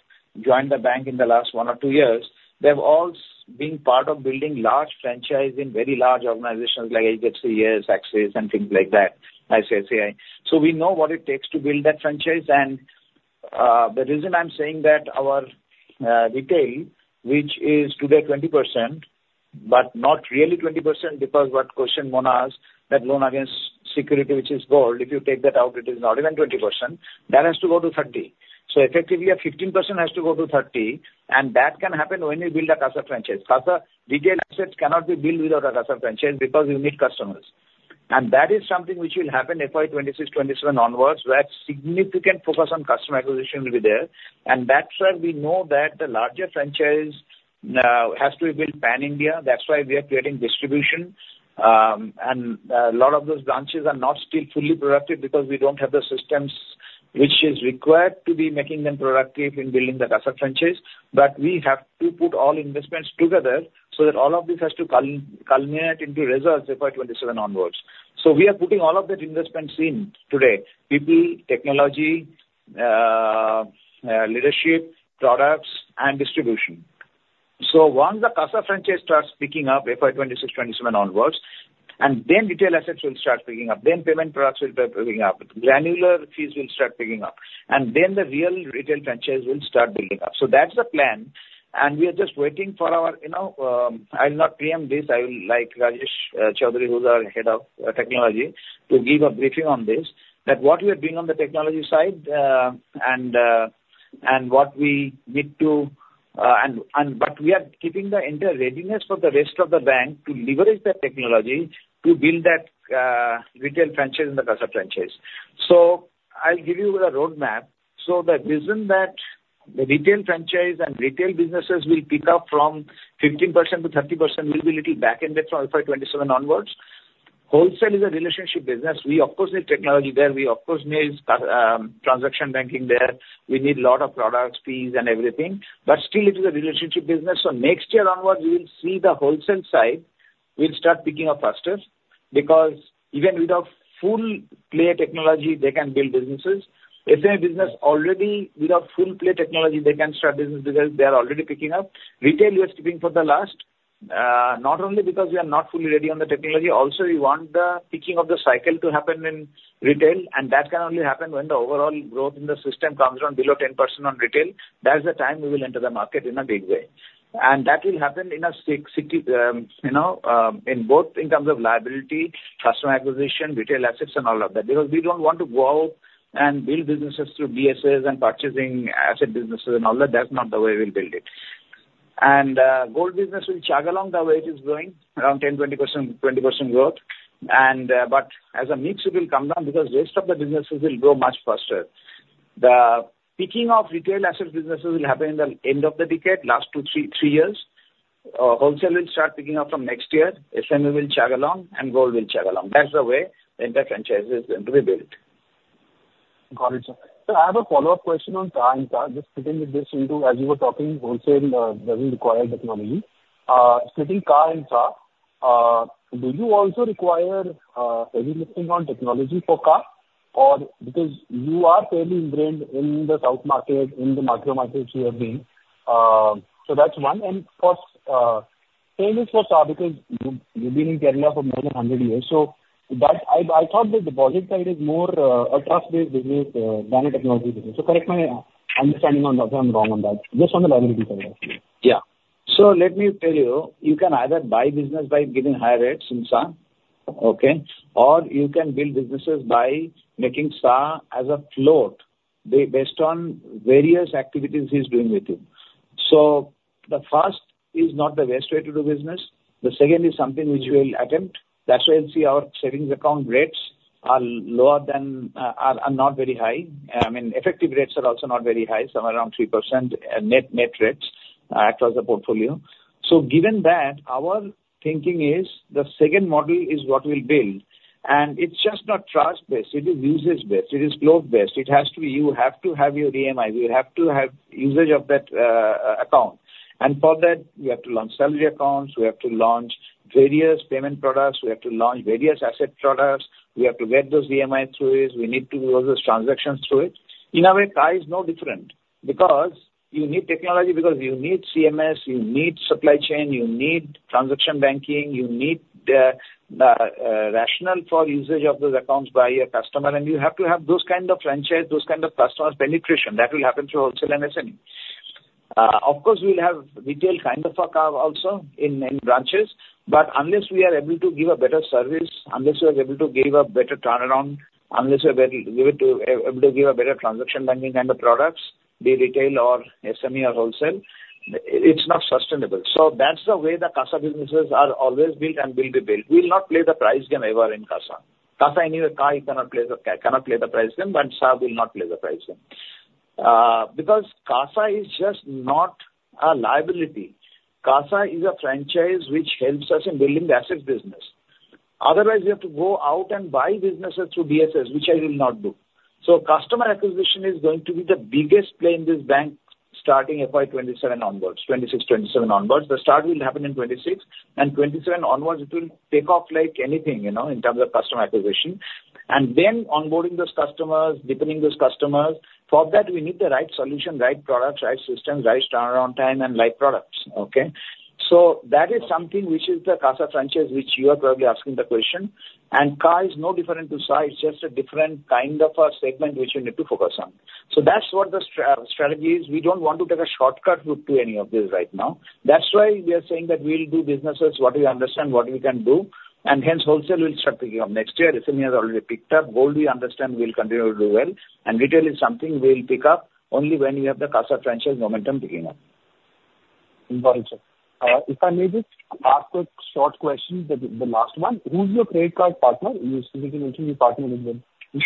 joined the bank in the last one or two years, they've all been part of building large franchise in very large organizations like HDFC, Axis, and things like that, ICICI. So we know what it takes to build that franchise. And the reason I'm saying that our retail, which is today 20%, but not really 20%, because what question Mona asked, that loan against security, which is gold, if you take that out, it is not even 20%. That has to go to 30%. So effectively, a 15% has to go to 30%, and that can happen when you build a CASA franchise. CASA, retail assets cannot be built without a CASA franchise because you need customers, and that is something which will happen FY 2026, 2027 onwards, where significant focus on customer acquisition will be there, and that's why we know that the larger franchise has to be built pan-India. That's why we are creating distribution, and a lot of those branches are not still fully productive because we don't have the systems which is required to be making them productive in building the CASA franchise, but we have to put all investments together so that all of this has to culminate into results FY 2027 onwards, so we are putting all of that investment in today: people, technology, leadership, products, and distribution. So once the CASA franchise starts picking up FY 2026, 2027 onwards, and then retail assets will start picking up, then payment products will start picking up, granular fees will start picking up, and then the real retail franchise will start building up. So that's the plan, and we are just waiting for our, you know, I'll not PM this. I will like Rajesh Choudhary, who's our head of technology, to give a briefing on this, that what we are doing on the technology side, and what we need to, but we are keeping the entire readiness for the rest of the bank to leverage the technology to build that retail franchise and the CASA franchise. So I'll give you the roadmap. So the reason that the retail franchise and retail businesses will pick up from 15% to 30% will be little back ended from FY 2027 onwards. Wholesale is a relationship business. We of course need technology there. We of course need transaction banking there. We need lot of products, fees and everything, but still it is a relationship business. So next year onwards, we will see the wholesale side will start picking up faster because even without full play technology, they can build businesses. SME business already without full play technology, they can start business because they are already picking up. Retail, we are keeping for the last, not only because we are not fully ready on the technology, also we want the picking of the cycle to happen in retail, and that can only happen when the overall growth in the system comes down below 10% on retail. That's the time we will enter the market in a big way, and that will happen in a 6-60, you know, in both in terms of liability, customer acquisition, retail assets and all of that. Because we don't want to go out and build businesses through DSS and purchasing asset businesses and all that. That's not the way we'll build it, and gold business will chug along the way it is going, around 10%-20% growth. As a mix, it will come down because the rest of the businesses will grow much faster. The picking of retail asset businesses will happen in the end of the decade, last two, three years. Wholesale will start picking up from next year, SME will chug along, and gold will chug along. That's the way the entire franchise is going to be built. Got it, sir. So I have a follow-up question on CASA, just fitting with this into, as you were talking, wholesale doesn't require technology. Fitting CASA, do you also require heavy lifting on technology for CASA? Or because you are fairly ingrained in the south market, in the Malabar markets you have been, so that's one. And of course, same is for CASA, because you, you've been in Kerala for more than hundred years, so but I, I thought that the deposit side is more a trust-based business than a technology business. So correct my understanding on that if I'm wrong on that, just on the liability side. Yeah. So let me tell you, you can either buy business by giving higher rates in CASA, okay? Or you can build businesses by making CASA as a float, based on various activities he's doing with you. So the first is not the best way to do business. The second is something which we'll attempt. That's why you'll see our savings account rates are lower than, are not very high. I mean, effective rates are also not very high, somewhere around 3%, net, net rates, across the portfolio. So given that, our thinking is the second model is what we'll build. And it's just not trust-based, it is usage-based, it is globe-based. It has to be, you have to have your EMI, you have to have usage of that account. And for that, we have to launch salary accounts, we have to launch various payment products, we have to launch various asset products, we have to get those EMIs through it, we need to do all those transactions through it. In a way, CASA is no different, because you need technology, because you need CMS, you need supply chain, you need transaction banking, you need the rationale for usage of those accounts by a customer, and you have to have those kind of franchise, those kind of customer penetration. That will happen through wholesale and SME. Of course, we'll have retail kind of a CASA also in branches, but unless we are able to give a better service, unless we are able to give a better turnaround, unless we are able to give a better transaction banking kind of products, be it retail or SME or wholesale, it's not sustainable. So that's the way the CASA businesses are always built and will be built. We'll not play the price game ever in CASA. CASA, anyway, CASA, you cannot play the price game, but CASA will not play the price game. Because CASA is just not a liability. CASA is a franchise which helps us in building the asset business. Otherwise, we have to go out and buy businesses through DSAs, which I will not do. So customer acquisition is going to be the biggest play in this bank, starting FY 2027 onwards, 2026, 2027 onwards. The start will happen in 2026, and 2027 onwards, it will take off like anything, you know, in terms of customer acquisition. And then onboarding those customers, deepening those customers, for that, we need the right solution, right products, right systems, right turnaround time and right products, okay? So that is something which is the CASA franchise, which you are probably asking the question, and CA is no different to CASA. It's just a different kind of a segment which you need to focus on. So that's what the strategy is. We don't want to take a shortcut route to any of this right now. That's why we are saying that we'll do businesses, what we understand, what we can do, and hence, wholesale will start picking up next year. SME has already picked up. Gold, we understand, will continue to do well, and retail is something we'll pick up only when you have the CASA franchise momentum picking up. Got it, sir. If I may just ask a short question, the last one: Who is your credit card partner? You specifically mentioned your partner in the...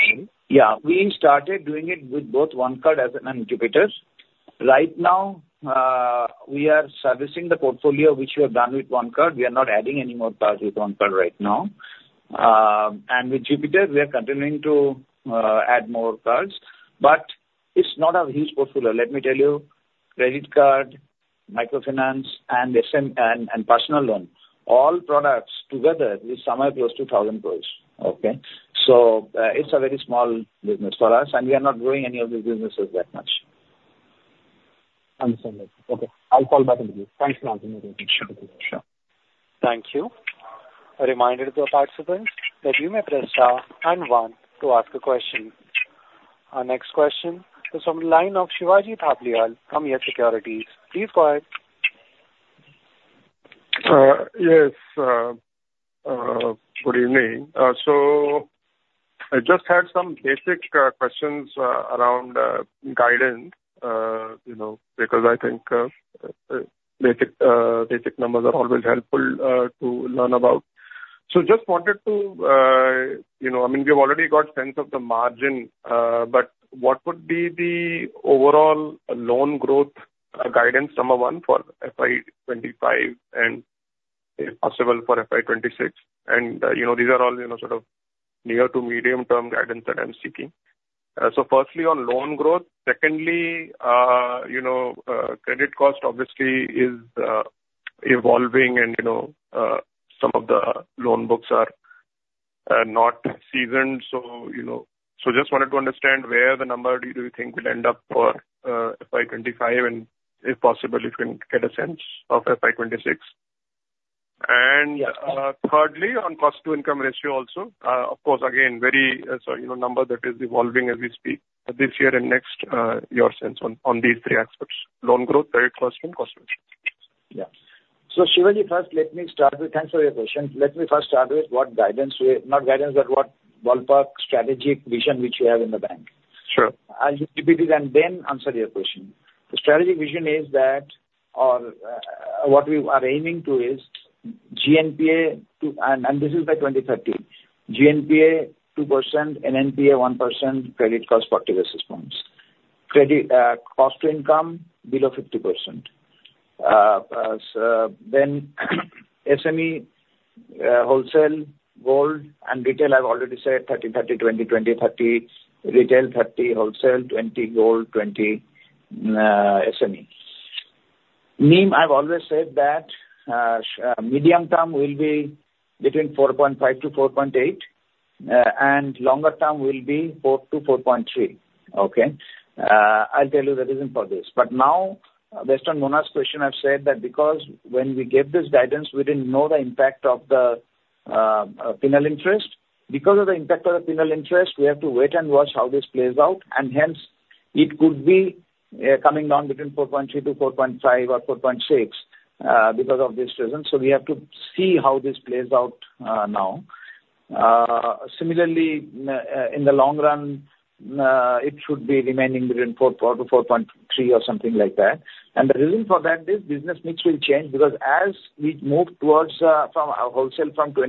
Yeah. We started doing it with both OneCard and Jupiter. Right now, we are servicing the portfolio which we have done with OneCard. We are not adding any more cards with OneCard right now. And with Jupiter, we are continuing to add more cards, but it's not a huge portfolio. Let me tell you, credit card, microfinance and MSME and personal loan, all products together is somewhere close to 1,000 crores, okay? So, it's a very small business for us, and we are not growing any of these businesses that much. Understandable. Okay, I'll call back into you. Thanks for answering my question. Sure. Thank you. A reminder to our participants that you may press star and one to ask a question. Our next question is from the line of Shivaji Thapliyal from YES Securities. Please go ahead. Yes, good evening. So I just had some basic questions around guidance, you know, because I think basic numbers are always helpful to learn about. So just wanted to, you know... I mean, we've already got sense of the margin, but what would be the overall loan growth guidance, number one, for FY 2025 and, if possible, for FY 2026? And, you know, these are all, you know, sort of near to medium-term guidance that I'm seeking. So firstly, on loan growth. Secondly, you know, credit cost obviously is evolving and, you know, some of the loan books are not seasoned. So, you know, just wanted to understand where the number do you think will end up for FY 2025, and if possible, if we can get a sense of FY 2026. And, thirdly, on cost to income ratio also, of course, again, very, so you know, number that is evolving as we speak. But this year and next, your sense on these three aspects: loan growth, credit cost, and cost to income. Yeah. So, Shivaji, first, let me start with... Thanks for your question. Let me first start with what guidance we, not guidance, but what ballpark strategic vision which we have in the bank. Sure. I'll give you this and then answer your question. The strategic vision is that what we are aiming to is GNPA 2%. And this is by 2030, GNPA 2%, NNPA 1%, credit cost 40 basis points. Credit cost to income below 50%. Then SME, wholesale, gold and retail, I've already said 30/30/20/20/30, retail 30, wholesale 20, gold 20, SME. NIM, I've always said that medium term will be between 4.5-4.8, and longer term will be 4-4.3. Okay? I'll tell you the reason for this. But now, based on Mona's question, I've said that because when we gave this guidance, we didn't know the impact of the penal interest. Because of the impact of the penal interest, we have to wait and watch how this plays out, and hence, it could be coming down between 4.3% to 4.5% or 4.6%, because of this reason, so we have to see how this plays out, now. Similarly, in the long run, it should be remaining between 4% to 4.3% or something like that, and the reason for that is business mix will change, because as we move towards from our wholesale 23%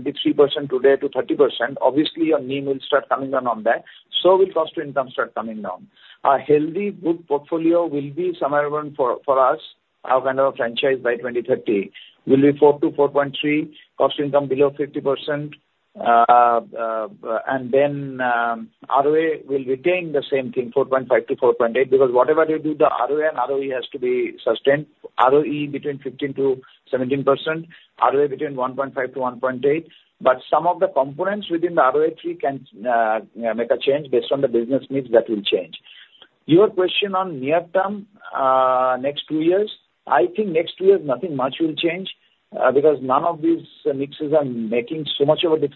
today to 30%, obviously your NIM will start coming down on that, so will cost to income start coming down. Our healthy good portfolio will be somewhere around for, for us, our kind of franchise by 2030, will be 4-4.3, cost to income below 50%. And then, ROA will retain the same thing, 4.5-4.8, because whatever they do, the ROA and ROE has to be sustained. ROE between 15%-17%, ROA between 1.5-1.8. But some of the components within the ROA three can make a change based on the business needs that will change. Your question on near term, next two years, I think next two years, nothing much will change, because none of these mixes are making so much of a diff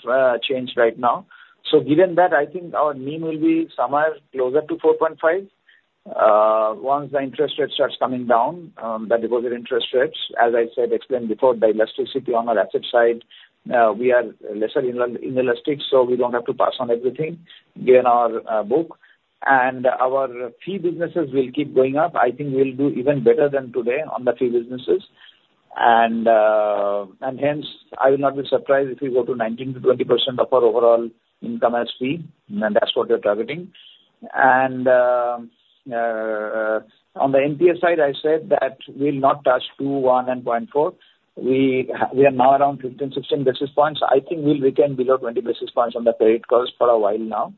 change right now. So given that, I think our NIM will be somewhere closer to 4.5. Once the interest rate starts coming down, the deposit interest rates, as I said, explained before, the elasticity on our asset side, we are less inelastic, so we don't have to pass on everything, given our book. And our fee businesses will keep going up. I think we'll do even better than today on the fee businesses. And hence, I will not be surprised if we go to 19%-20% of our overall income as fee, and that's what we're targeting. And on the NPS side, I said that we'll not touch 2.1 and 0.4. We are now around 15-16 basis points. I think we'll retain below 20 basis points on the credit cards for a while now.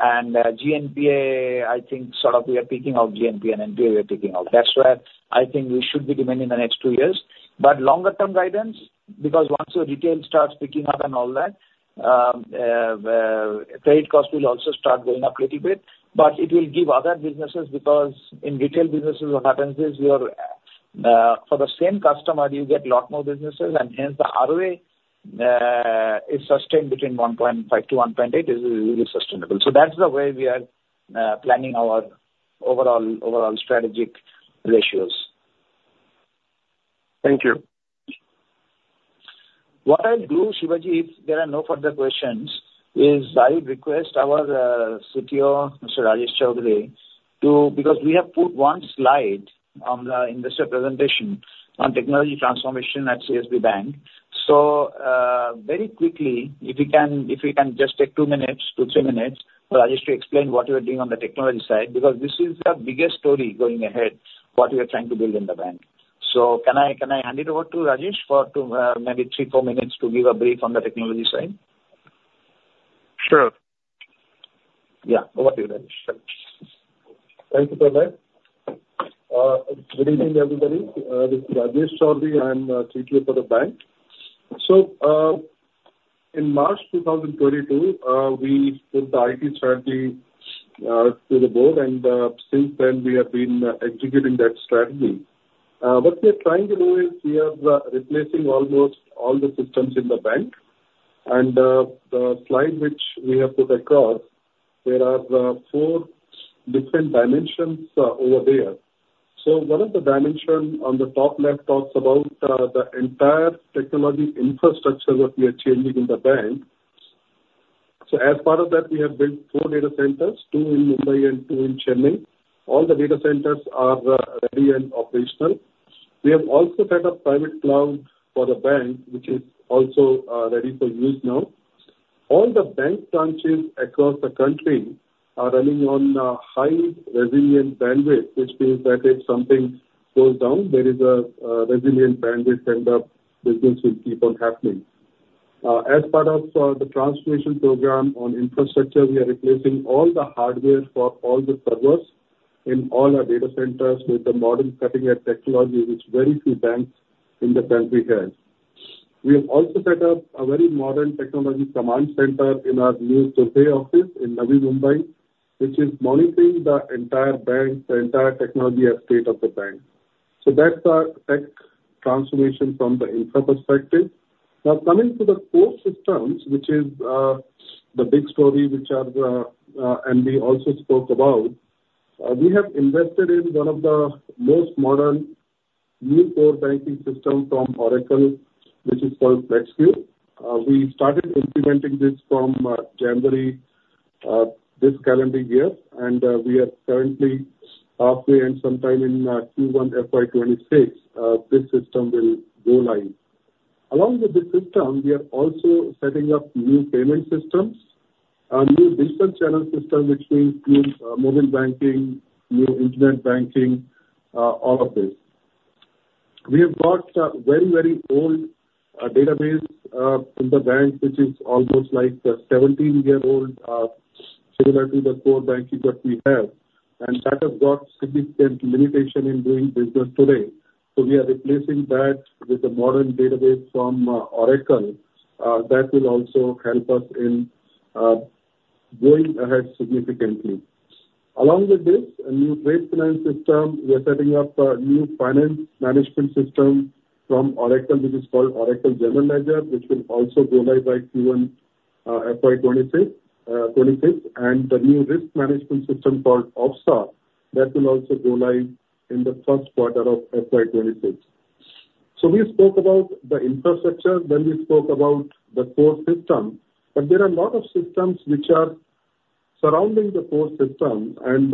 GNPA, I think sort of we are peaking out GNPA and NPA. We are peaking out. That's where I think we should be remaining the next two years. Longer term guidance, because once your retail starts picking up and all that, credit cost will also start going up little bit, but it will give other businesses, because in retail businesses, what happens is your, for the same customer, you get lot more businesses, and hence the ROA is sustained between 1.5-1.8. It is really sustainable. That's the way we are planning our overall strategic ratios. Thank you. What I'll do, Shivaji, if there are no further questions, is I would request our CTO, Mr. Rajesh Choudhary, to, because we have put one slide on the investor presentation on technology transformation at CSB Bank. So, very quickly, if you can, if we can just take two minutes for Rajesh to explain what you are doing on the technology side, because this is the biggest story going ahead, what we are trying to build in the bank. So can I hand it over to Rajesh for two, maybe three, four minutes to give a brief on the technology side? Sure. Yeah, over to you, Rajesh. Thank you, Pralay. Good evening, everybody, this is Rajesh Choudhary, I'm the CTO for the bank. In March 2022, we put the IT strategy to the board, and since then, we have been executing that strategy. What we are trying to do is, we are replacing almost all the systems in the bank, and the slide which we have put across, there are four different dimensions over there. One of the dimension on the top left talks about the entire technology infrastructure that we are changing in the bank. As part of that, we have built four data centers, two in Mumbai and two in Chennai. All the data centers are ready and operational. We have also set up private cloud for the bank, which is also ready for use now. All the bank branches across the country are running on a high resilient bandwidth, which means that if something goes down, there is a resilient bandwidth, and the business will keep on happening. As part of the transformation program on infrastructure, we are replacing all the hardware for all the servers in all our data centers with the modern cutting-edge technology, which very few banks in the country have. We have also set up a very modern technology command center in our new Tulsi office in Navi Mumbai, which is monitoring the entire bank, the entire technology estate of the bank. So that's our tech transformation from the infra perspective. Now, coming to the core systems, which is the big story, which are the, and we also spoke about, we have invested in one of the most modern new core banking system from Oracle, which is called Flexcube. We started implementing this from January this calendar year, and we are currently halfway and sometime in Q1 FY 2026 this system will go live. Along with the system, we are also setting up new payment systems, new digital channel system, which includes mobile banking, new internet banking, all of this. We have got a very, very old database in the bank, which is almost like seventeen-year-old, similar to the core banking that we have, and that has got significant limitation in doing business today. So we are replacing that with a modern database from Oracle that will also help us in going ahead significantly. Along with this, a new trade finance system, we are setting up a new finance management system from Oracle, which is called Oracle General Ledger, which will also go live by Q1 FY 2026 2026. And the new risk management system called OFSAA, that will also go live in the first quarter of FY 2026. So we spoke about the infrastructure, then we spoke about the core system, but there are a lot of systems which are surrounding the core system, and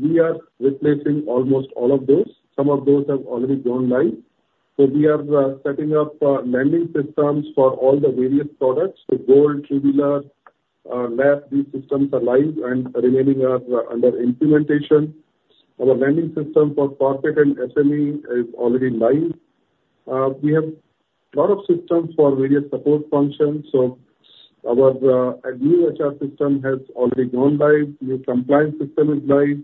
we are replacing almost all of those. Some of those have already gone live. So we are setting up lending systems for all the various products, so gold, two-wheeler, LAS, these systems are live and remaining are under implementation. Our lending system for corporate and SME is already live. We have lot of systems for various support functions, so our new HR system has already gone live, new compliance system is live.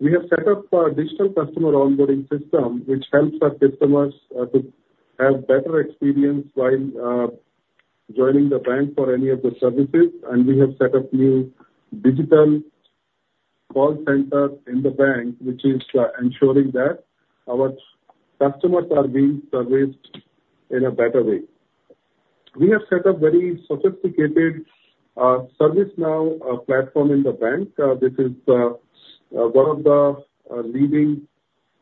We have set up a digital customer onboarding system, which helps our customers to have better experience while joining the bank for any of the services. And we have set up new digital call center in the bank, which is ensuring that our customers are being serviced in a better way. We have set up very sophisticated ServiceNow platform in the bank. This is one of the leading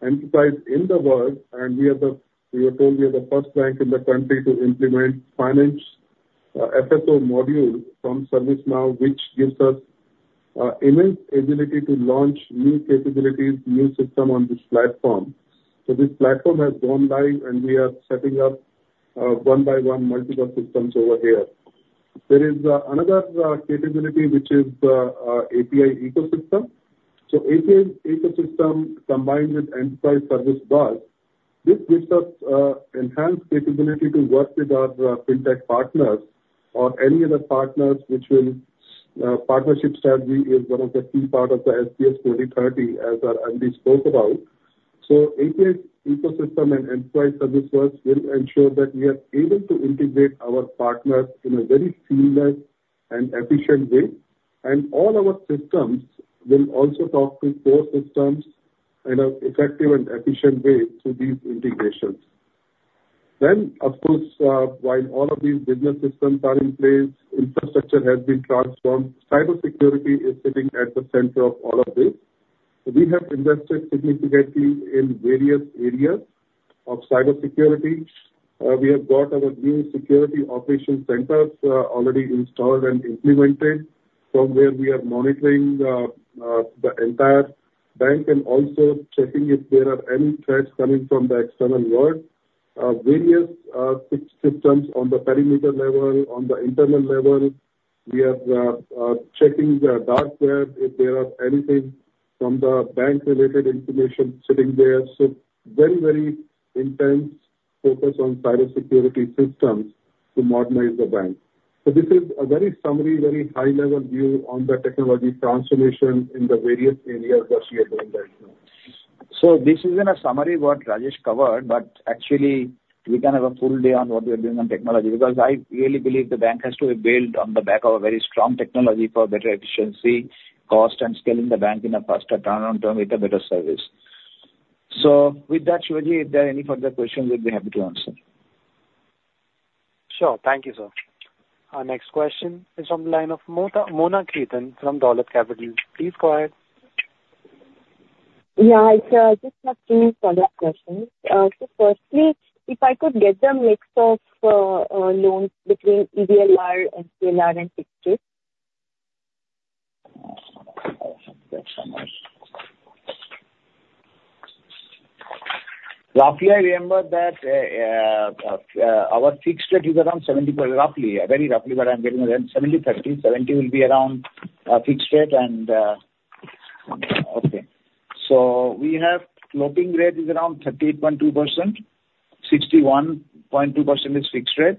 enterprise in the world, and we are the first bank in the country to implement finance FSO module from ServiceNow, which gives us immense ability to launch new capabilities, new system on this platform. This platform has gone live, and we are setting up one by one, multiple systems over here. There is another capability, which is API ecosystem. So API ecosystem, combined with enterprise service bus, this gives us enhanced capability to work with our fintech partners or any other partners which will partnership strategy is one of the key part of the SBS 2030, as our MD spoke about. API ecosystem and enterprise service bus will ensure that we are able to integrate our partners in a very seamless and efficient way. And all our systems will also talk to core systems in an effective and efficient way through these integrations. Then, of course, while all of these business systems are in place, infrastructure has been transformed, cybersecurity is sitting at the center of all of this. So we have invested significantly in various areas of cybersecurity. We have got our new security operations centers already installed and implemented, from where we are monitoring the entire bank and also checking if there are any threats coming from the external world. Various systems on the perimeter level, on the internal level, we are checking the dark web, if there are anything from the bank-related information sitting there. Very, very intense focus on cybersecurity systems to modernize the bank. This is a very summary, very high-level view on the technology transformation in the various areas that we are doing right now. So this is in a summary what Rajesh covered, but actually we can have a full day on what we are doing on technology, because I really believe the bank has to be built on the back of a very strong technology for better efficiency, cost, and scaling the bank in a faster turnaround time with a better service. So with that, Shivaji, if there are any further questions, we'd be happy to answer. Sure. Thank you, sir. Our next question is on the line of Mona, Mona Khetan from Dolat Capital. Please go ahead. Yeah, I just have three follow-up questions. So firstly, if I could get the mix of loans between EBLR, MCLR, and fixed rate? Roughly, I remember that, our fixed rate is around 70, roughly, very roughly, but I'm getting around 70/30. 70 will be around fixed rate and... Okay, so we have floating rate is around 38.2%, 61.2% is fixed rate.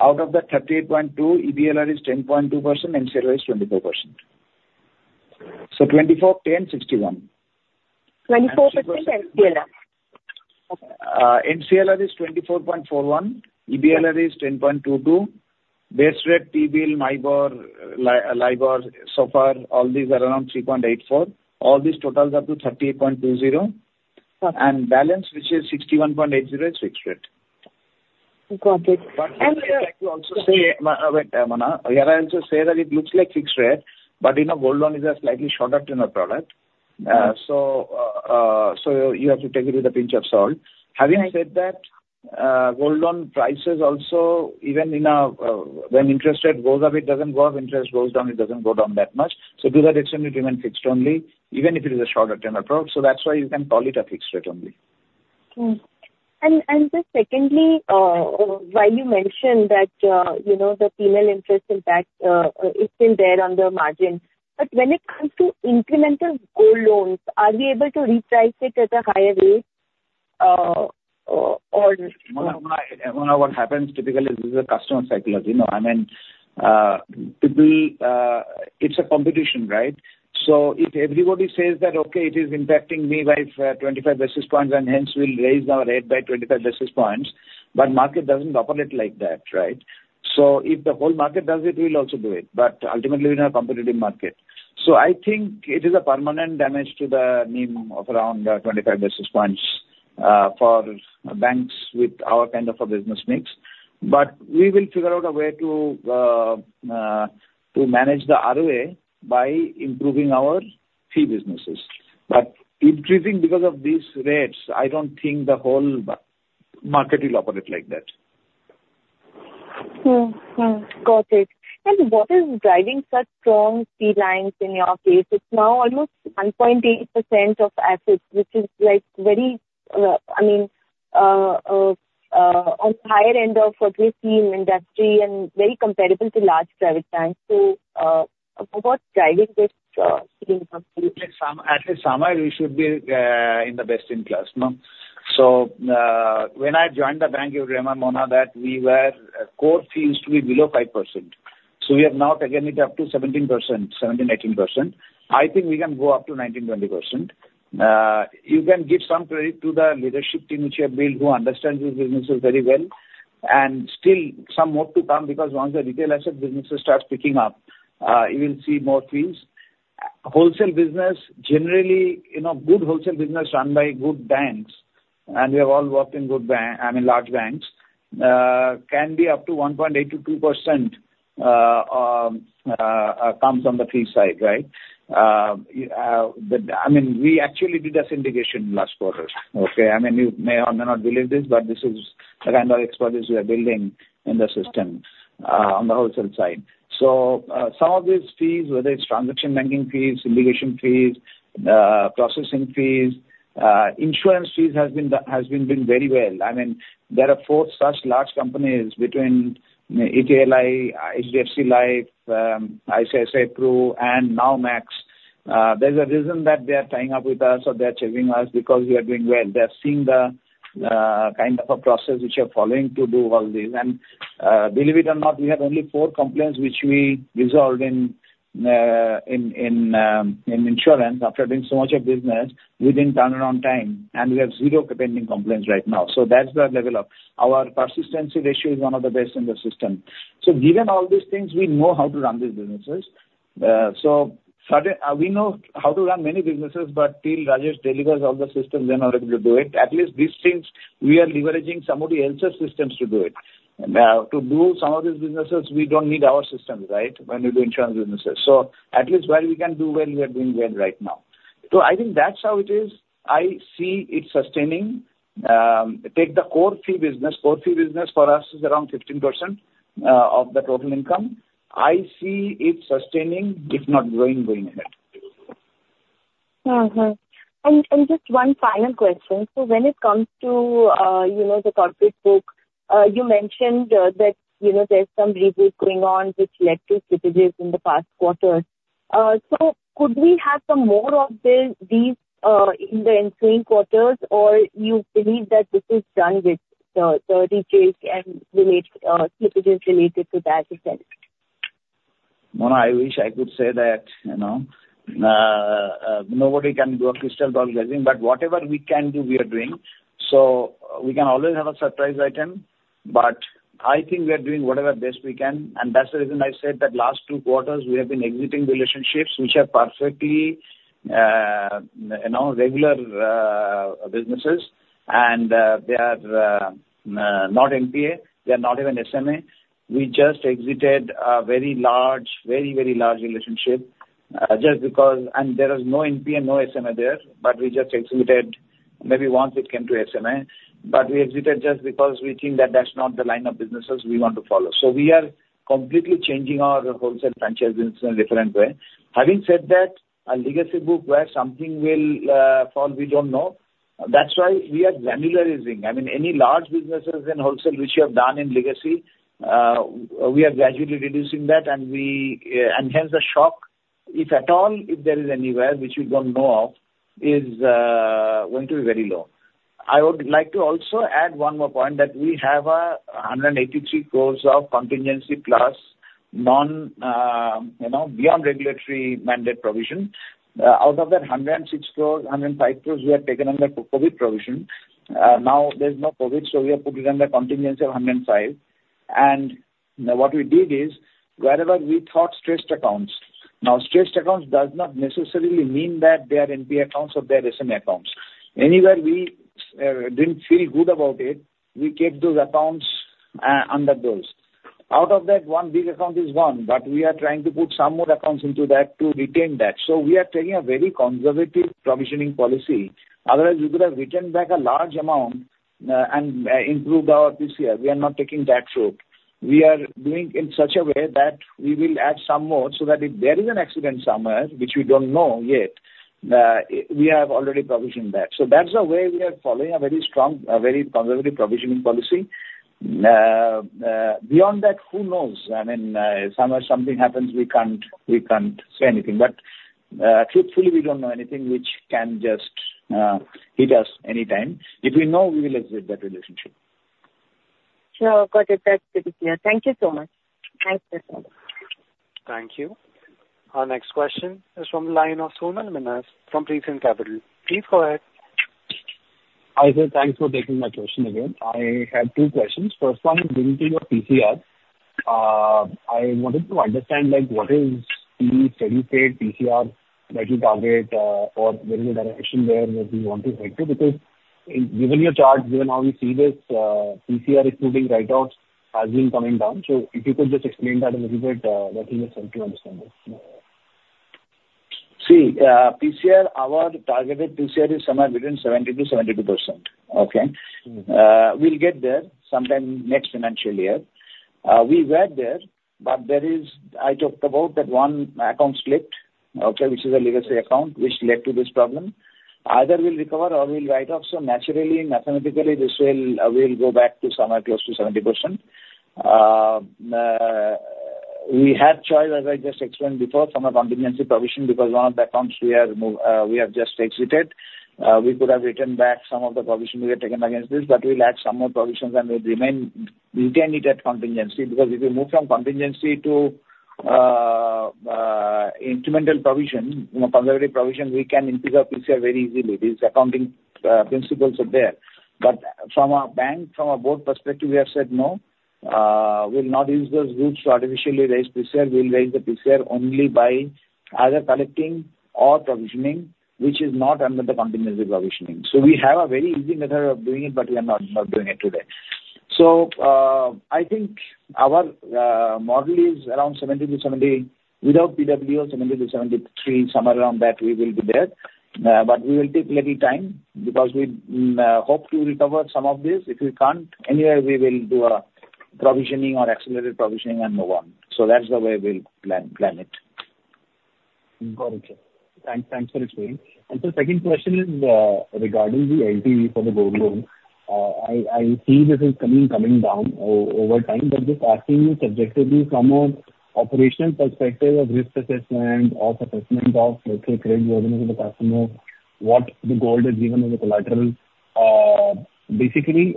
Out of the 38.2, EBLR is 10.2%, MCLR is 24%. So 24, 10, 61. 24% MCLR? MCLR is 24.41, EBLR is 10.22. Base rate, T-bill, MIBOR, LIBOR, so far, all these are around 3.84. All these totals up to 38.20. Got it. Balance, which is 61.80, is fixed rate. Got it. But I would like to also say, wait, Mona, here I'll also say that it looks like fixed rate, but, you know, gold loan is a slightly shorter-term product. So, so you have to take it with a pinch of salt. Having said that, gold loan prices also even in a, when interest rate goes up, it doesn't go up, interest goes down, it doesn't go down that much. So to that extent, it remains fixed only, even if it is a shorter term approach. So that's why you can call it a fixed rate only. And just secondly, while you mentioned that, you know, the penal interest impact is still there on the margin, but when it comes to incremental gold loans, are we able to reprice it at a higher rate, or- Mona, what happens typically is this is a customer cycle, you know, I mean, it will, it's a competition, right? So if everybody says that, okay, it is impacting me by 25 basis points, and hence we'll raise our rate by 25 basis points, but market doesn't operate like that, right? So if the whole market does it, we'll also do it, but ultimately, we're in a competitive market. So I think it is a permanent damage to the NIM of around, 25 basis points, for banks with our kind of a business mix. But we will figure out a way to manage the ROA by improving our fee businesses. But increasing because of these rates, I don't think the whole market will operate like that. Got it. And what is driving such strong fee lines in your case? It's now almost 1.8% of assets, which is, like, very, I mean, on the higher end of the industry and very comparable to large private banks. So, what's driving this fee income? At least some, at least somewhere we should be in the best in class, no? So, when I joined the bank, you remember, Mona, that we were core fees used to be below 5%, so we have now taken it up to 17%, 17%, 18%. I think we can go up to 19%, 20%. You can give some credit to the leadership team which we have built, who understand these businesses very well, and still some more to come, because once the retail asset businesses start picking up, you will see more fees. Wholesale business, generally, you know, good wholesale business run by good banks, and we have all worked in good I mean, large banks, can be up to 1.8%-2%, comes on the fee side, right? But, I mean, we actually did a syndication last quarter, okay? I mean, you may or may not believe this, but this is the kind of expertise we are building in the system, on the wholesale side. So, some of these fees, whether it's transaction banking fees, syndication fees, processing fees, insurance fees, has been doing very well. I mean, there are four such large companies between ETLI, HDFC Life, ICICI Pru and now Max. There's a reason that they are tying up with us or they are choosing us, because we are doing well. They are seeing the kind of a process which we are following to do all this. Believe it or not, we have only four complaints which we resolved in insurance after doing so much of business within turnaround time, and we have zero pending complaints right now. That's the level of... Our persistency ratio is one of the best in the system. Given all these things, we know how to run these businesses. We know how to run many businesses, but till Rajesh delivers all the systems, we are not able to do it. At least these things, we are leveraging somebody else's systems to do it. To do some of these businesses, we don't need our systems, right? When we do insurance businesses. At least where we can do well, we are doing well right now. I think that's how it is. I see it sustaining, take the core fee business. Core fee business for us is around 15% of the total income. I see it sustaining, if not growing, growing ahead. Mm-hmm. And just one final question. So when it comes to, you know, the corporate book, you mentioned that, you know, there's some reboot going on, which led to slippages in the past quarter. So could we have some more of this, these, in the ensuing quarters, or you believe that this is done with, the details and related slippages related to that, you said? Mona, I wish I could say that, you know. Nobody can do a crystal ball gazing, but whatever we can do, we are doing. So we can always have a surprise item, but I think we are doing whatever best we can, and that's the reason I said that last two quarters we have been exiting relationships which are perfectly, you know, regular, businesses, and they are not NPA, not even SMA. We just exited a very large, very, very large relationship, just because... And there is no NPA, no SMA there, but we just exited, maybe once it came to SMA, but we exited just because we think that that's not the line of businesses we want to follow. So we are completely changing our wholesale franchise business in a different way. Having said that, a legacy book where something will fall, we don't know. That's why we are granularizing. I mean, any large businesses in wholesale which we have done in legacy, we are gradually reducing that, and hence the shock, if at all, if there is anywhere, which we don't know of, is going to be very low. I would like to also add one more point, that we have 183 crores of contingency plus non, you know, beyond regulatory mandate provision. Out of that 106 crores, 105 crores, we have taken under COVID provision. Now there's no COVID, so we have put it under contingency of 105. And what we did is, wherever we thought stressed accounts, now, stressed accounts does not necessarily mean that they are NPA accounts or they are SMA accounts. Anywhere we didn't feel good about it, we kept those accounts under those. Out of that, one big account is one, but we are trying to put some more accounts into that to retain that. So we are taking a very conservative provisioning policy. Otherwise, we could have written back a large amount and improved our PCR. We are not taking that route. We are doing in such a way that we will add some more so that if there is an accident somewhere, which we don't know yet, we have already provisioned that. So that's the way we are following a very strong, a very conservative provisioning policy. Beyond that, who knows? I mean, somewhere something happens, we can't, we can't say anything. But, truthfully, we don't know anything which can just, hit us anytime. If we know, we will exit that relationship. Sure. Got it. That's pretty clear. Thank you so much. Thanks. Thank you. Our next question is from the line of Sonal Minhas from Prescient Capital. Please go ahead. Hi, sir. Thanks for taking my question again. I have two questions. First one is relating to PCR. I wanted to understand, like, what is the steady state PCR that you target, or where is the direction there that you want to head to? Because given your charts, given how we see this, PCR excluding write-offs, has been coming down. So if you could just explain that a little bit, that will help to understand this. See, PCR, our targeted PCR is somewhere between 70%-72%. Okay? Mm-hmm. We'll get there sometime next financial year. We were there, but there is. I talked about that one account slipped, okay, which is a legacy account which led to this problem. Either we'll recover or we'll write off. So naturally, mathematically, this will go back to somewhere close to 70%. We had choice, as I just explained before, from a contingency provision, because one of the accounts we have just exited. We could have written back some of the provision we had taken against this, but we'll add some more provisions, and we'll remain, we'll gain it at contingency. Because if we move from contingency to incremental provision, you know, conservative provision, we can improve our PCR very easily. These accounting principles are there. But from a bank, from a board perspective, we have said, "No, we'll not use those routes to artificially raise PCR. We'll raise the PCR only by either collecting or provisioning, which is not under the contingency provisioning." So we have a very easy method of doing it, but we are not doing it today. So, I think our model is around 70-78, without PWO, 70-73, somewhere around that we will be there. But we will take little time because we hope to recover some of this. If we can't, anyway, we will do a provisioning or accelerated provisioning and move on. So that's the way we'll plan it. Got it, sir. Thanks, thanks for explaining. So second question is, regarding the LTV for the gold loan. I see this is coming down over time, but just asking you subjectively from an operational perspective of risk assessment or assessment of, let's say, creditworthiness of the customer, what the gold is given as collateral. Basically,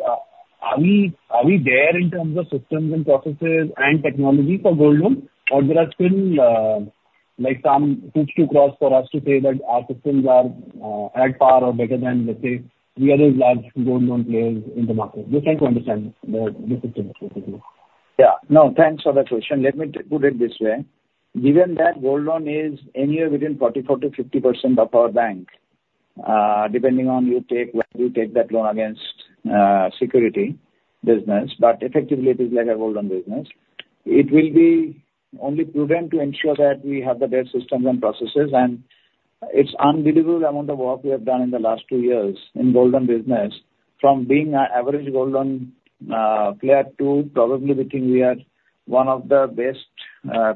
are we there in terms of systems and processes and technology for gold loan, or there are still, like, some hoops to cross for us to say that our systems are at par or better than, let's say, the other large gold loan players in the market? Just trying to understand the systems basically. Yeah. No, thanks for that question. Let me put it this way: given that Gold Loan is anywhere within 44%-50% of our bank, depending on you take, where you take that loan against security business, but effectively it is like a Gold Loan business. It will be only prudent to ensure that we have the best systems and processes, and it's an unbelievable amount of work we have done in the last two years in Gold Loan business, from being an average Gold Loan player to probably we think we are one of the best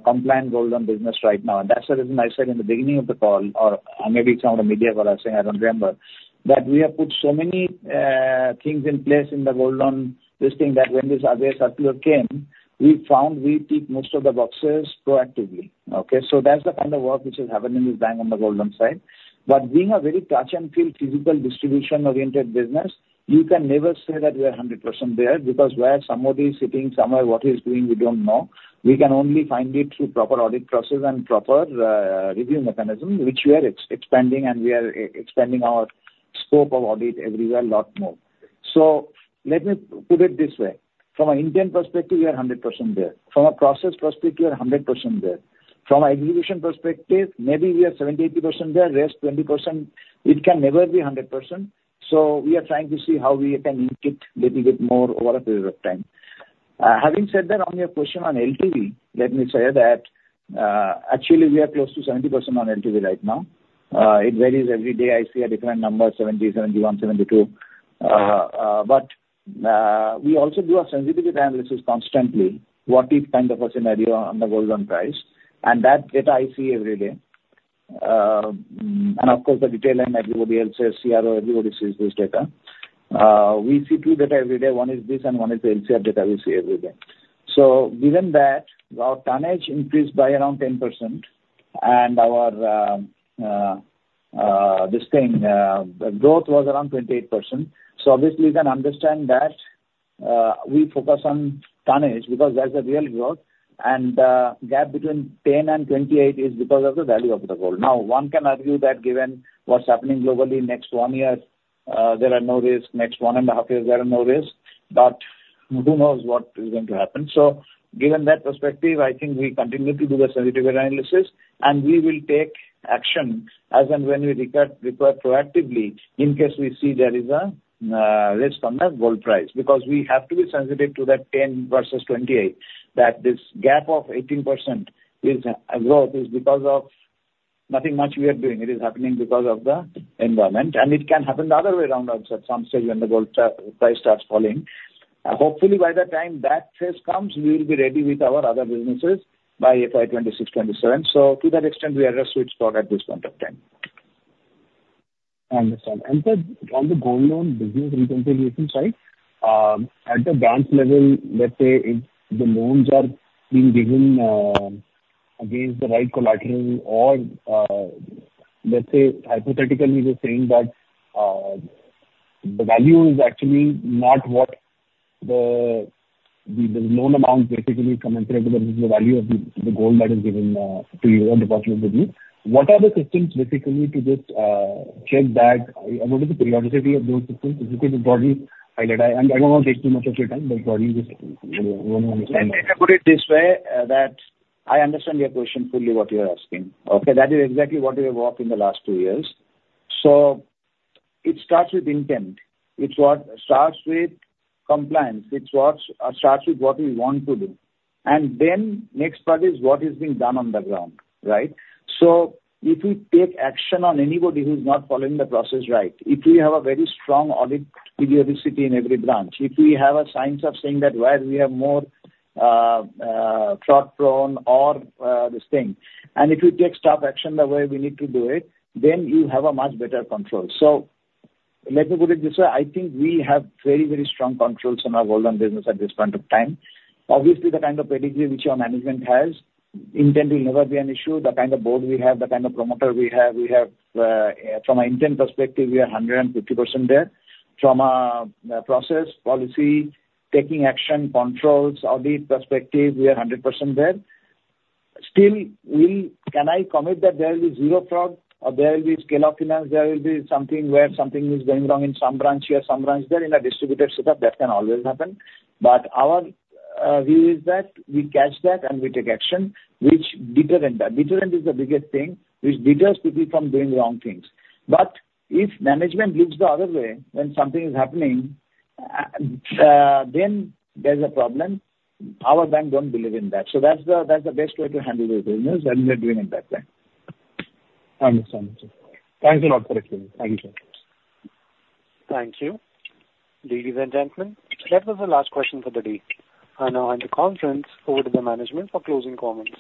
compliant Gold Loan business right now. That's the reason I said in the beginning of the call, or maybe it's one of the media where I say. I don't remember that we have put so many things in place in the gold loan. This thing that when this other circular came, we found we tick most of the boxes proactively, okay? That's the kind of work which is happening in this bank on the gold loan side. Being a very touch and feel, physical distribution-oriented business, you can never say that we are 100% there, because where somebody is sitting, somewhere, what he's doing, we don't know. We can only find it through proper audit process and proper review mechanism, which we are expanding, and we are expanding our scope of audit everywhere a lot more. Let me put it this way. From an intent perspective, we are 100% there. From a process perspective, we are 100% there. From an execution perspective, maybe we are 70, 80% there. Rest 20%, it can never be 100%, so we are trying to see how we can inch it little bit more over a period of time. Having said that, on your question on LTV, let me say that, actually, we are close to 70% on LTV right now. It varies every day. I see a different number, 70, 71, 72. But, we also do a sensitivity analysis constantly. What if kind of a scenario on the gold loan price? And that data I see every day. And of course, the detail and everybody else, CRO, everybody sees this data. We see two data every day. One is this, and one is the LCR data we see every day. Given that, our tonnage increased by around 10%, and our this thing growth was around 28%. So obviously, you can understand that we focus on tonnage because that's the real growth, and gap between 10% and 28% is because of the value of the gold. Now, one can argue that given what's happening globally, next one year there are no risk, next one and a half year there are no risk, but who knows what is going to happen? Given that perspective, I think we continue to do the sensitivity analysis, and we will take action as and when we require proactively, in case we see there is a risk on the gold price. Because we have to be sensitive to that 10% versus 28%, that this gap of 18% is because of nothing much we are doing. It is happening because of the environment, and it can happen the other way around also at some stage when the gold price starts falling. Hopefully by the time that phase comes, we will be ready with our other businesses by FY 2026, 2027. So to that extent, we are a such product at this point of time. Understand. And sir, on the gold loan business integration side, at the branch level, let's say if the loans are being given against the right collateral or, let's say, hypothetically, we're saying that the value is actually not what the loan amount basically commensurate to the value of the gold that is given to you or deposited with you. What are the systems basically to just check that? What is the periodicity of those systems? Because it probably highlight, and I don't want to take too much of your time, but probably just want to understand. Let me put it this way, that I understand your question fully what you are asking. Okay, that is exactly what we have worked in the last two years. So it starts with intent. It starts with compliance, it starts with what we want to do. And then next part is what is being done on the ground, right? So if we take action on anybody who's not following the process right, if we have a very strong audit periodicity in every branch, if we have a science of saying that where we have more, fraud-prone or, this thing, and if we take staff action the way we need to do it, then you have a much better control. So let me put it this way: I think we have very, very strong controls in our gold loan business at this point of time. Obviously, the kind of pedigree which our management has, intent will never be an issue. The kind of board we have, the kind of promoter we have, we have, from an intent perspective, we are 150% there. From a, process, policy, taking action, controls, audit perspective, we are 100% there. Still, can I commit that there will be zero fraud or there will be scale of finance, there will be something where something is going wrong in some branch here, some branch there? In a distributed setup, that can always happen. But our view is that we catch that and we take action, which deterrent that. Deterrent is the biggest thing, which deters people from doing wrong things. But if management looks the other way when something is happening, then there's a problem. Our bank don't believe in that. So that's the best way to handle this business, and we're doing it that way. Understand, sir. Thanks a lot for explaining. Thank you, sir. Thank you. Ladies and gentlemen, that was the last question for the day. I now hand the conference over to the management for closing comments.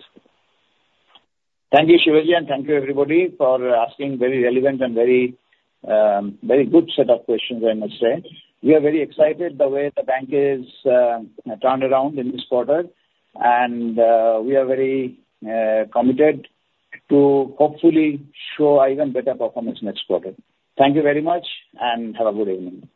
Thank you, Shivaji, and thank you everybody for asking very relevant and very, very good set of questions, I must say. We are very excited the way the bank is turned around in this quarter, and, we are very committed to hopefully show even better performance next quarter. Thank you very much, and have a good evening.